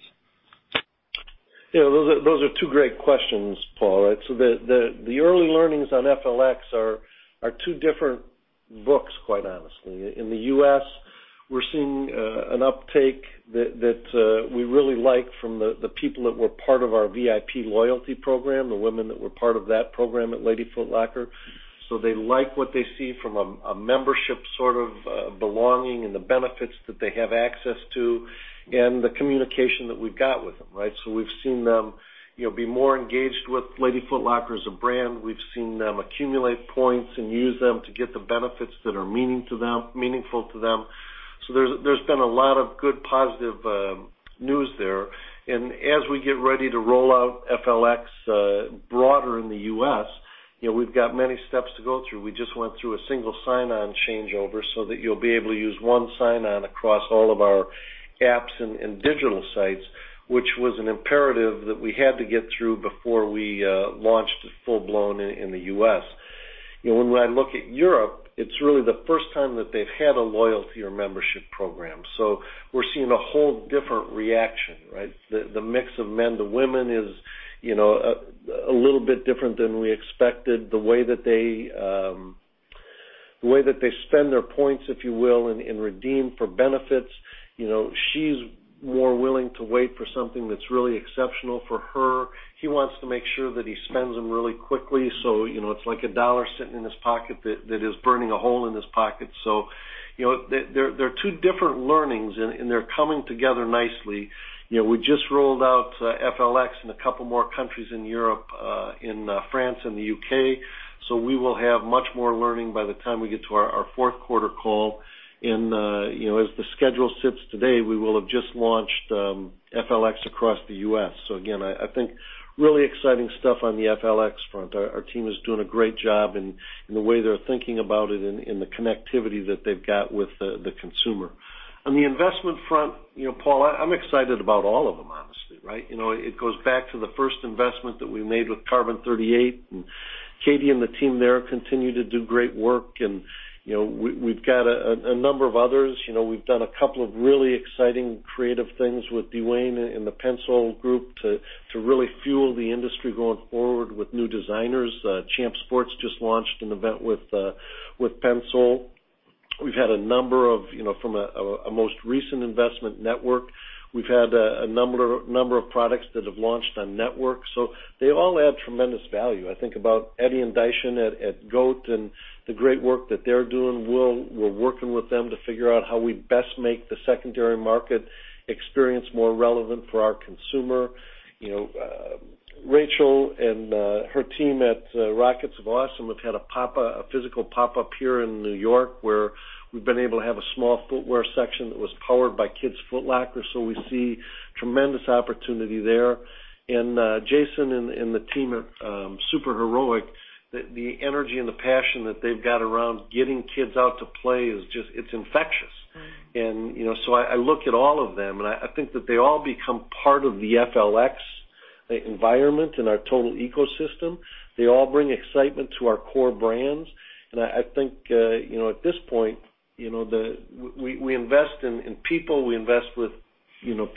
Those are two great questions, Paul. The early learnings on FLX are two different books, quite honestly. In the U.S., we're seeing an uptake that we really like from the people that were part of our VIP loyalty program, the women that were part of that program at Lady Foot Locker. They like what they see from a membership sort of belonging and the benefits that they have access to and the communication that we've got with them. We've seen them be more engaged with Lady Foot Locker as a brand. We've seen them accumulate points and use them to get the benefits that are meaningful to them. There's been a lot of good, positive news there. As we get ready to roll out FLX broader in the U.S., we've got many steps to go through. We just went through a single sign-on changeover so that you'll be able to use one sign-on across all of our apps and digital sites, which was an imperative that we had to get through before we launched it full-blown in the U.S. When I look at Europe, it's really the first time that they've had a loyalty or membership program. We're seeing a whole different reaction. The mix of men to women is a little bit different than we expected. The way that they spend their points, if you will, and redeem for benefits. She's more willing to wait for something that's really exceptional for her. He wants to make sure that he spends them really quickly. It's like a dollar sitting in his pocket that is burning a hole in his pocket. There are two different learnings, and they're coming together nicely. We just rolled out FLX in a couple more countries in Europe, in France and the U.K. We will have much more learning by the time we get to our fourth quarter call. As the schedule sits today, we will have just launched FLX across the U.S. Again, I think really exciting stuff on the FLX front. Our team is doing a great job in the way they're thinking about it and the connectivity that they've got with the consumer. On the investment front, Paul, I'm excited about all of them, honestly. It goes back to the first investment that we made with Carbon38, and Katie and the team there continue to do great work. We've got a number of others. We've done a couple of really exciting creative things with D'Wayne and the PENSOLE group to really fuel the industry going forward with new designers. Champs Sports just launched an event with PENSOLE. We've had a number of, from a most recent investment, NTWRK. We've had a number of products that have launched on NTWRK. They all add tremendous value. I think about Eddy and Daishin at GOAT and the great work that they're doing. We're working with them to figure out how we best make the secondary market experience more relevant for our consumer. Rachel and her team at Rockets of Awesome have had a physical pop-up here in New York where we've been able to have a small footwear section that was powered by Kids Foot Locker, we see tremendous opportunity there. Jason and the team at Super Heroic, the energy and the passion that they've got around getting kids out to play is just infectious. I look at all of them, and I think that they all become part of the FLX environment and our total ecosystem. They all bring excitement to our core brands. I think, at this point, we invest in people, we invest with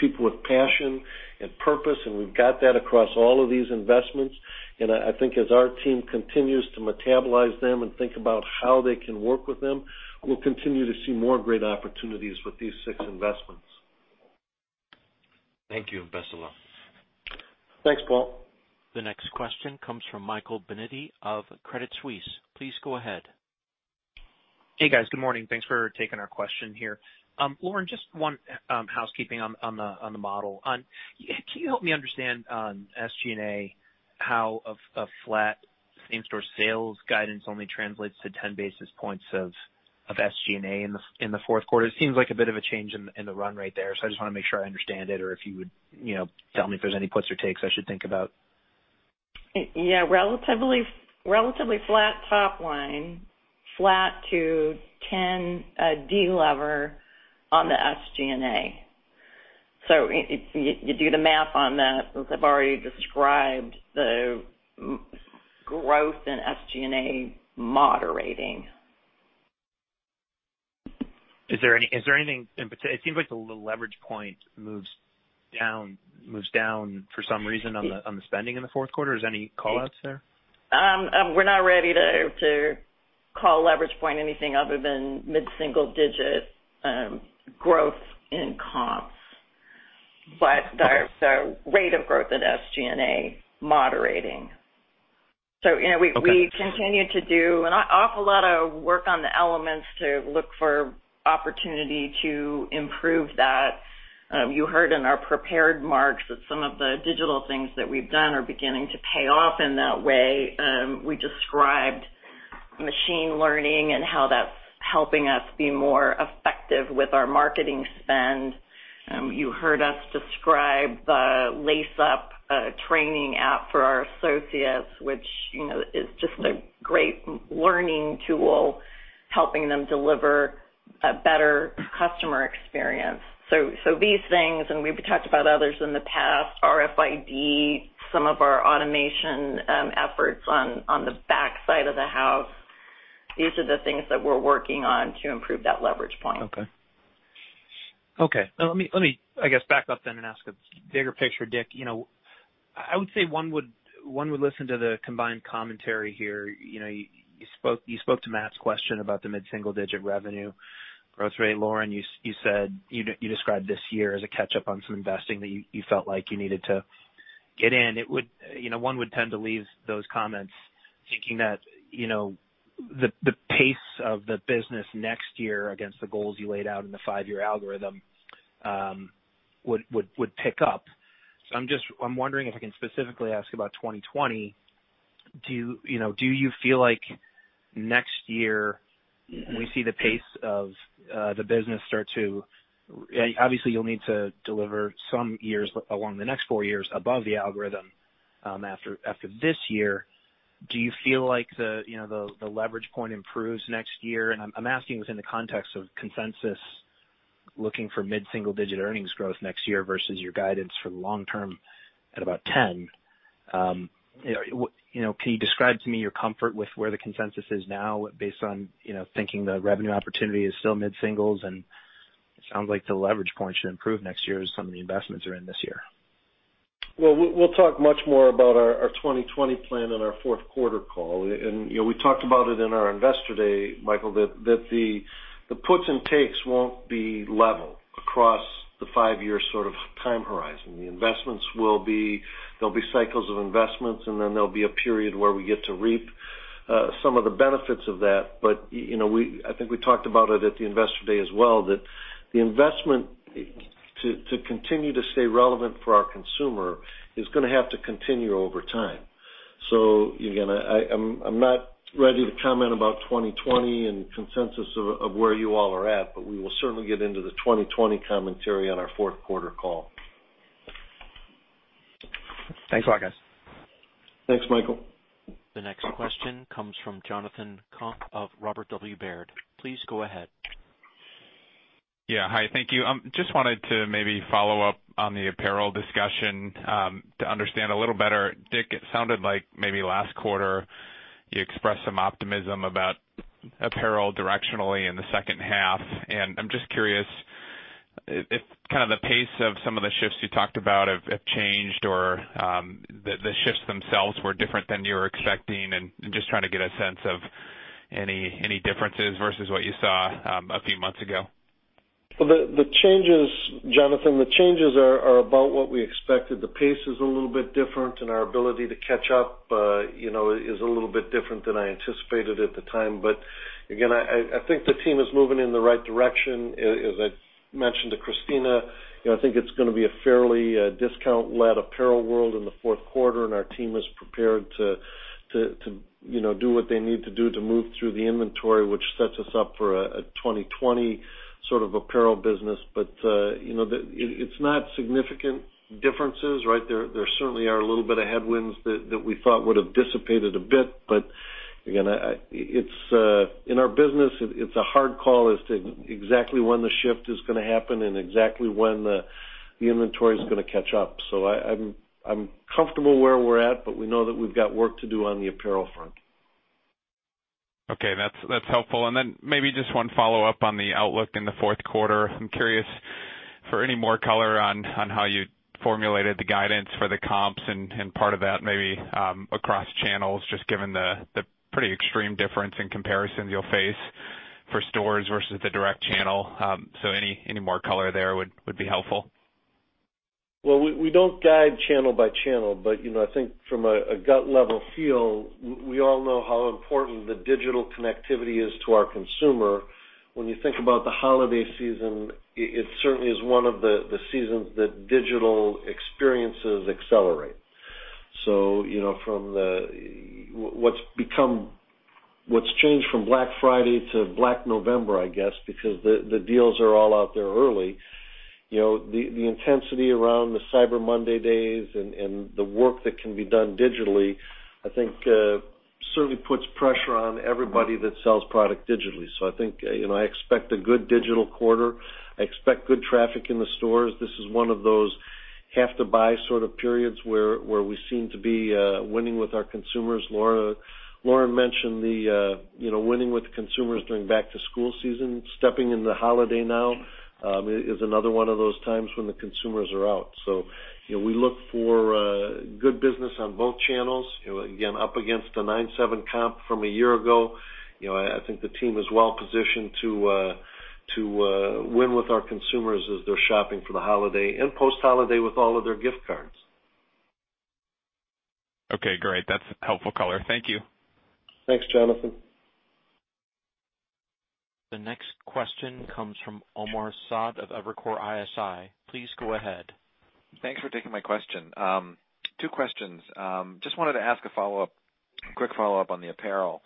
people with passion and purpose, and we've got that across all of these investments. I think as our team continues to metabolize them and think about how they can work with them, we'll continue to see more great opportunities with these six investments. Thank you. Best of luck. Thanks, Paul. The next question comes from Michael Binetti of Credit Suisse. Please go ahead. Hey, guys. Good morning. Thanks for taking our question here. Lauren, just one housekeeping on the model. Can you help me understand on SG&A how a flat same-store sales guidance only translates to 10 basis points of SG&A in the fourth quarter? It seems like a bit of a change in the run rate there. I just want to make sure I understand it or if you would tell me if there's any puts or takes I should think about. Yeah. Relatively flat top line, flat to 10 de-lever on the SG&A. You do the math on that, as I've already described the growth in SG&A moderating. It seems like the leverage point moves down for some reason on the spending in the fourth quarter. Is any call-outs there? We're not ready to call leverage point anything other than mid-single-digit growth in comps, but the rate of growth in SG&A moderating. We continue to do an awful lot of work on the elements to look for opportunity to improve that. You heard in our prepared remarks that some of the digital things that we've done are beginning to pay off in that way. We described machine learning and how that's helping us be more effective with our marketing spend. You heard us describe the Lace Up training app for our associates, which is just a great learning tool, helping them deliver a better customer experience. These things, and we've talked about others in the past, RFID, some of our automation efforts on the back side of the house, these are the things that we're working on to improve that leverage point. Okay. Now let me, I guess, back up and ask a bigger picture, Dick. I would say one would listen to the combined commentary here. You spoke to Matt's question about the mid-single digit revenue growth rate. Lauren, you described this year as a catch-up on some investing that you felt like you needed to get in. One would tend to leave those comments thinking that the pace of the business next year against the goals you laid out in the five-year algorithm would pick up. I'm wondering if I can specifically ask about 2020. Do you feel like next year, we see the pace of the business start to? Obviously, you'll need to deliver some years along the next four years above the algorithm, after this year. Do you feel like the leverage point improves next year? I'm asking within the context of consensus, looking for mid-single-digit earnings growth next year versus your guidance for the long term at about 10. Can you describe to me your comfort with where the consensus is now based on thinking the revenue opportunity is still mid-single-digits and it sounds like the leverage point should improve next year as some of the investments are in this year. Well, we'll talk much more about our 2020 plan on our fourth quarter call. We talked about it in our Investor Day, Michael, that the puts and takes won't be level across the five-year time horizon. There'll be cycles of investments, and then there'll be a period where we get to reap some of the benefits of that. I think we talked about it at the Investor Day as well, that the investment to continue to stay relevant for our consumer is going to have to continue over time. Again, I'm not ready to comment about 2020 and consensus of where you all are at, but we will certainly get into the 2020 commentary on our fourth quarter call. Thanks a lot, guys. Thanks, Michael. The next question comes from Jonathan Komp of Robert W. Baird. Please go ahead. Yeah. Hi, thank you. Just wanted to maybe follow up on the apparel discussion to understand a little better. Dick, it sounded like maybe last quarter you expressed some optimism about apparel directionally in the second half, and I'm just curious if the pace of some of the shifts you talked about have changed or the shifts themselves were different than you were expecting and just trying to get a sense of any differences versus what you saw a few months ago. Jonathan, the changes are about what we expected. The pace is a little bit different and our ability to catch up is a little bit different than I anticipated at the time. Again, I think the team is moving in the right direction. As I mentioned to Cristina, I think it's going to be a fairly discount-led apparel world in the fourth quarter, and our team is prepared to do what they need to do to move through the inventory, which sets us up for a 2020 apparel business. It's not significant differences. There certainly are a little bit of headwinds that we thought would have dissipated a bit. Again, in our business, it's a hard call as to exactly when the shift is going to happen and exactly when the inventory is going to catch up. I'm comfortable where we're at, but we know that we've got work to do on the apparel front. Okay, that's helpful. Then maybe just one follow-up on the outlook in the fourth quarter. I'm curious for any more color on how you formulated the guidance for the comps and part of that maybe across channels, just given the pretty extreme difference in comparisons you'll face for stores versus the direct channel. Any more color there would be helpful. Well, we don't guide channel by channel, but I think from a gut level feel, we all know how important the digital connectivity is to our consumer. When you think about the holiday season, it certainly is one of the seasons that digital experiences accelerate. From what's changed from Black Friday to Black November, I guess, because the deals are all out there early. The intensity around the Cyber Monday days and the work that can be done digitally, I think certainly puts pressure on everybody that sells product digitally. I expect a good digital quarter. I expect good traffic in the stores. This is one of those have-to-buy sort of periods where we seem to be winning with our consumers. Lauren mentioned the winning with consumers during back-to-school season. Stepping into the holiday now is another one of those times when the consumers are out. We look for good business on both channels. Again, up against a 9.7 comp from a year ago. I think the team is well positioned to win with our consumers as they're shopping for the holiday and post-holiday with all of their gift cards. Okay, great. That's helpful color. Thank you. Thanks, Jonathan. The next question comes from Omar Saad of Evercore ISI. Please go ahead. Thanks for taking my question. Two questions. Just wanted to ask a quick follow-up on the apparel.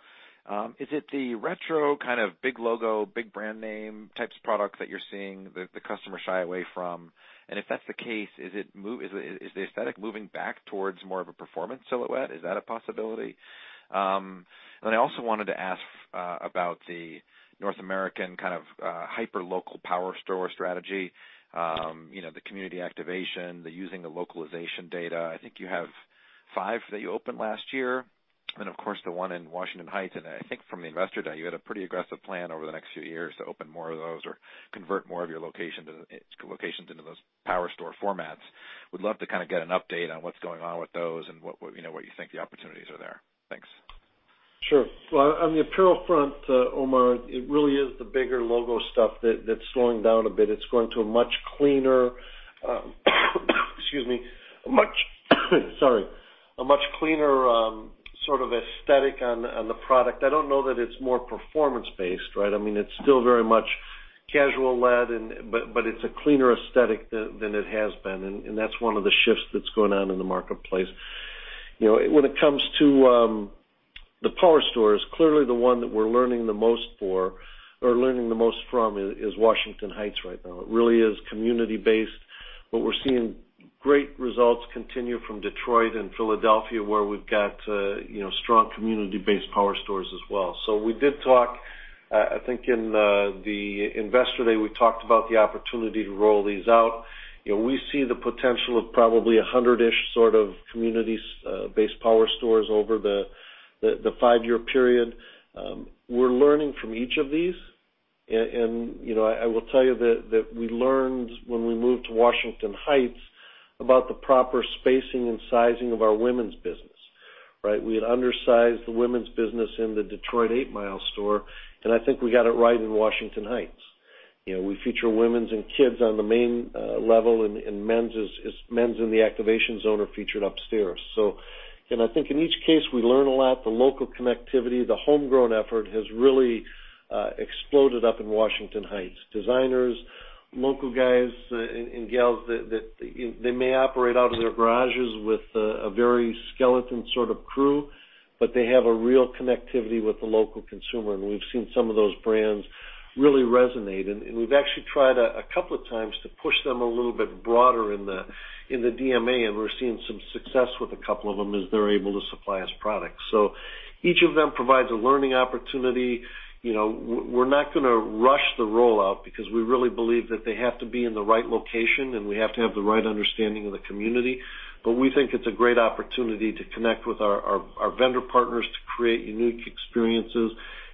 Is it the retro kind of big logo, big brand name types of products that you're seeing the customer shy away from? If that's the case, is the aesthetic moving back towards more of a performance silhouette? Is that a possibility? I also wanted to ask about the North American kind of hyperlocal power store strategy. The community activation, the using the localization data. I think you have five that you opened last year, and of course, the one in Washington Heights. I think from the Investor Day, you had a pretty aggressive plan over the next few years to open more of those or convert more of your locations into those power store formats. Would love to kind of get an update on what's going on with those and what you think the opportunities are there. Thanks. Sure. On the apparel front, Omar, it really is the bigger logo stuff that's slowing down a bit. It's going to, excuse me, a much cleaner sort of aesthetic on the product. I don't know that it's more performance-based, right? I mean, it's still very much casual-led, but it's a cleaner aesthetic than it has been, and that's one of the shifts that's going on in the marketplace. When it comes to the power stores, clearly the one that we're learning the most from is Washington Heights right now. It really is community-based, but we're seeing great results continue from Detroit and Philadelphia, where we've got strong community-based power stores as well. I think in the Investor Day, we talked about the opportunity to roll these out. We see the potential of probably 100-ish sort of communities-based power stores over the five-year period. We're learning from each of these, and I will tell you that we learned when we moved to Washington Heights about the proper spacing and sizing of our women's business. Right? We had undersized the women's business in the Detroit 8 Mile store, and I think we got it right in Washington Heights. We feature women's and kids' on the main level, and men's in the activation zone are featured upstairs. I think in each case, we learn a lot. The local connectivity, the homegrown effort has really exploded up in Washington Heights. Designers, local guys and gals that may operate out of their garages with a very skeleton sort of crew, but they have a real connectivity with the local consumer, and we've seen some of those brands really resonate. We've actually tried a couple of times to push them a little bit broader in the DMA, and we're seeing some success with a couple of them as they're able to supply us product. Each of them provides a learning opportunity. We're not going to rush the rollout because we really believe that they have to be in the right location and we have to have the right understanding of the community. We think it's a great opportunity to connect with our vendor partners to create unique experiences,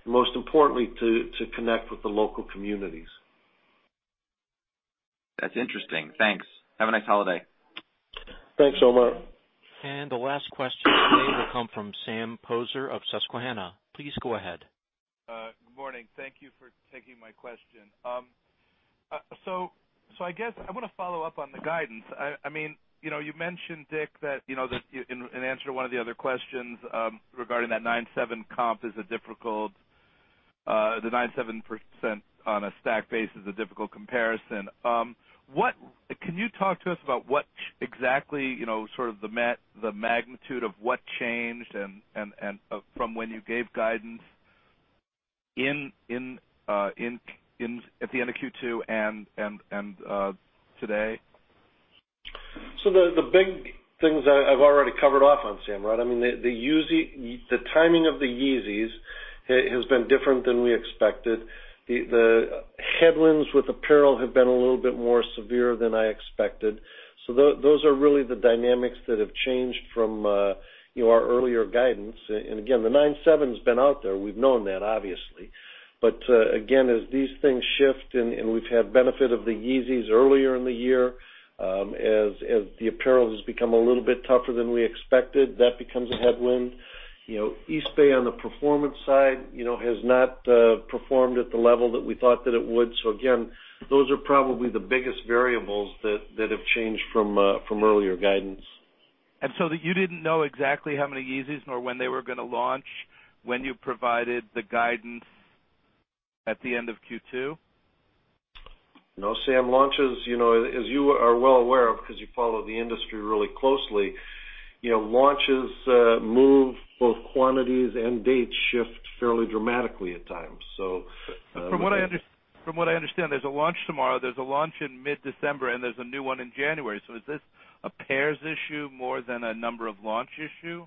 and most importantly, to connect with the local communities. That's interesting. Thanks. Have a nice holiday. Thanks, Omar. The last question today will come from Sam Poser of Susquehanna. Please go ahead. Good morning. Thank you for taking my question. I guess I want to follow up on the guidance. You mentioned, Dick, in answer to one of the other questions, regarding that 9.7% on a stack base is a difficult comparison. Can you talk to us about what exactly the magnitude of what changed from when you gave guidance at the end of Q2 and today? The big things I've already covered off on, Sam. The timing of the Yeezys has been different than we expected. The headwinds with apparel have been a little bit more severe than I expected. Those are really the dynamics that have changed from our earlier guidance. Again, the 9.7% has been out there. We've known that, obviously. Again, as these things shift and we've had benefit of the Yeezys earlier in the year. As the apparel has become a little bit tougher than we expected, that becomes a headwind. Eastbay on the performance side, has not performed at the level that we thought that it would. Again, those are probably the biggest variables that have changed from earlier guidance. That you didn't know exactly how many Yeezys nor when they were going to launch when you provided the guidance at the end of Q2? No, Sam, launches, as you are well aware of because you follow the industry really closely, move both quantities and dates shift fairly dramatically at times. From what I understand, there's a launch tomorrow, there's a launch in mid-December, and there's a new one in January. Is this a pairs issue more than a number of launch issue?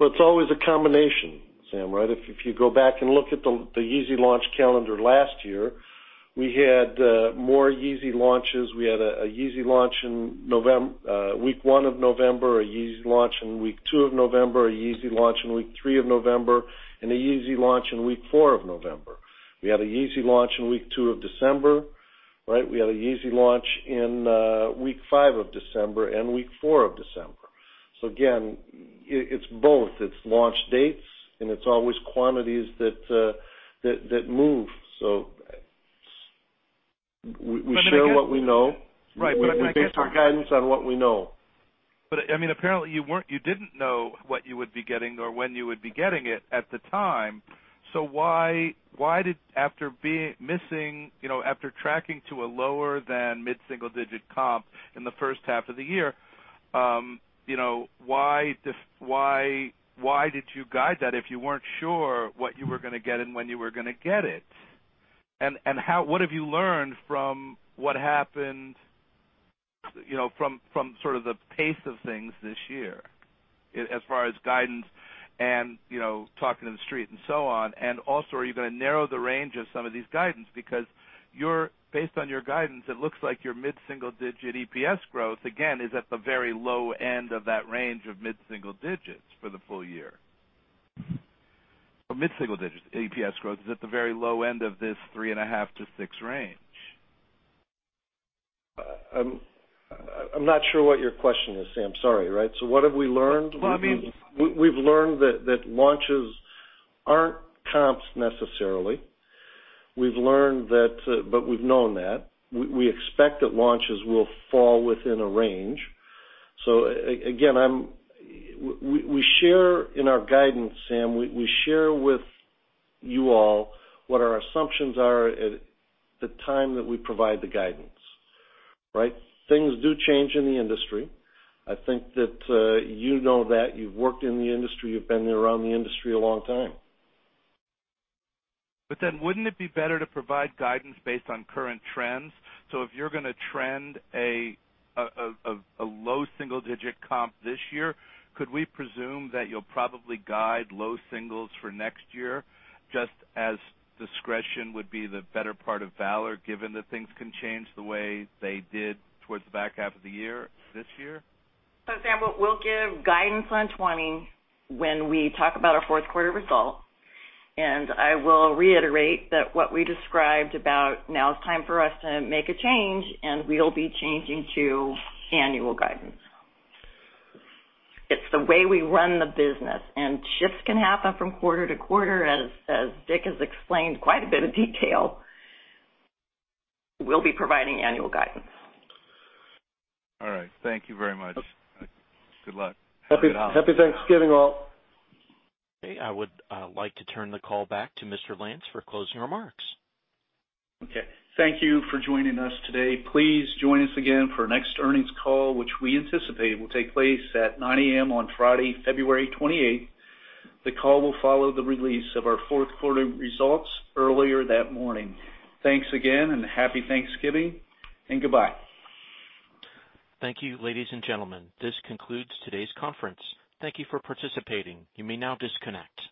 Well, it's always a combination, Sam, right? If you go back and look at the Yeezy launch calendar last year, we had more Yeezy launches. We had a Yeezy launch in week one of November, a Yeezy launch in week two of November, a Yeezy launch in week three of November, and a Yeezy launch in week four of November. We had a Yeezy launch in week two of December, right? We had a Yeezy launch in week five of December and week four of December. Again, it's both. It's launch dates and it's always quantities that move. We share what we know. Right. We base our guidance on what we know. Apparently, you didn't know what you would be getting or when you would be getting it at the time. Why did, after tracking to a lower than mid-single-digit comp in the first half of the year, why did you guide that if you weren't sure what you were going to get and when you were going to get it? What have you learned from what happened, from sort of the pace of things this year, as far as guidance and talking to the street and so on? Also, are you going to narrow the range of some of these guidance? Because based on your guidance, it looks like your mid-single-digit EPS growth, again, is at the very low end of that range of mid-single digits for the full year. Mid-single digits EPS growth is at the very low end of this 3.5%-6% range. I'm not sure what your question is, Sam. Sorry. What have we learned? Well, I mean. We've learned that launches aren't comps necessarily. We've learned that. We've known that. We expect that launches will fall within a range. Again, we share in our guidance, Sam, we share with you all what our assumptions are at the time that we provide the guidance, right? Things do change in the industry. I think that you know that. You've worked in the industry. You've been around the industry a long time. Wouldn't it be better to provide guidance based on current trends? If you're going to trend a low single digit comp this year, could we presume that you'll probably guide low singles for next year, just as discretion would be the better part of valor, given that things can change the way they did towards the back half of the year this year? Sam, we'll give guidance on 2020 when we talk about our fourth quarter results. I will reiterate that what we described about now is time for us to make a change, and we'll be changing to annual guidance. It's the way we run the business, and shifts can happen from quarter to quarter, as Dick has explained quite a bit of detail. We'll be providing annual guidance. All right. Thank you very much. Good luck. Happy Thanksgiving, all. Okay, I would like to turn the call back to Mr. Lance for closing remarks. Okay, thank you for joining us today. Please join us again for our next earnings call, which we anticipate will take place at 9:00 A.M. on Friday, February 28th. The call will follow the release of our fourth quarter results earlier that morning. Thanks again and Happy Thanksgiving, and goodbye. Thank you, ladies and gentlemen. This concludes today's conference. Thank you for participating. You may now disconnect.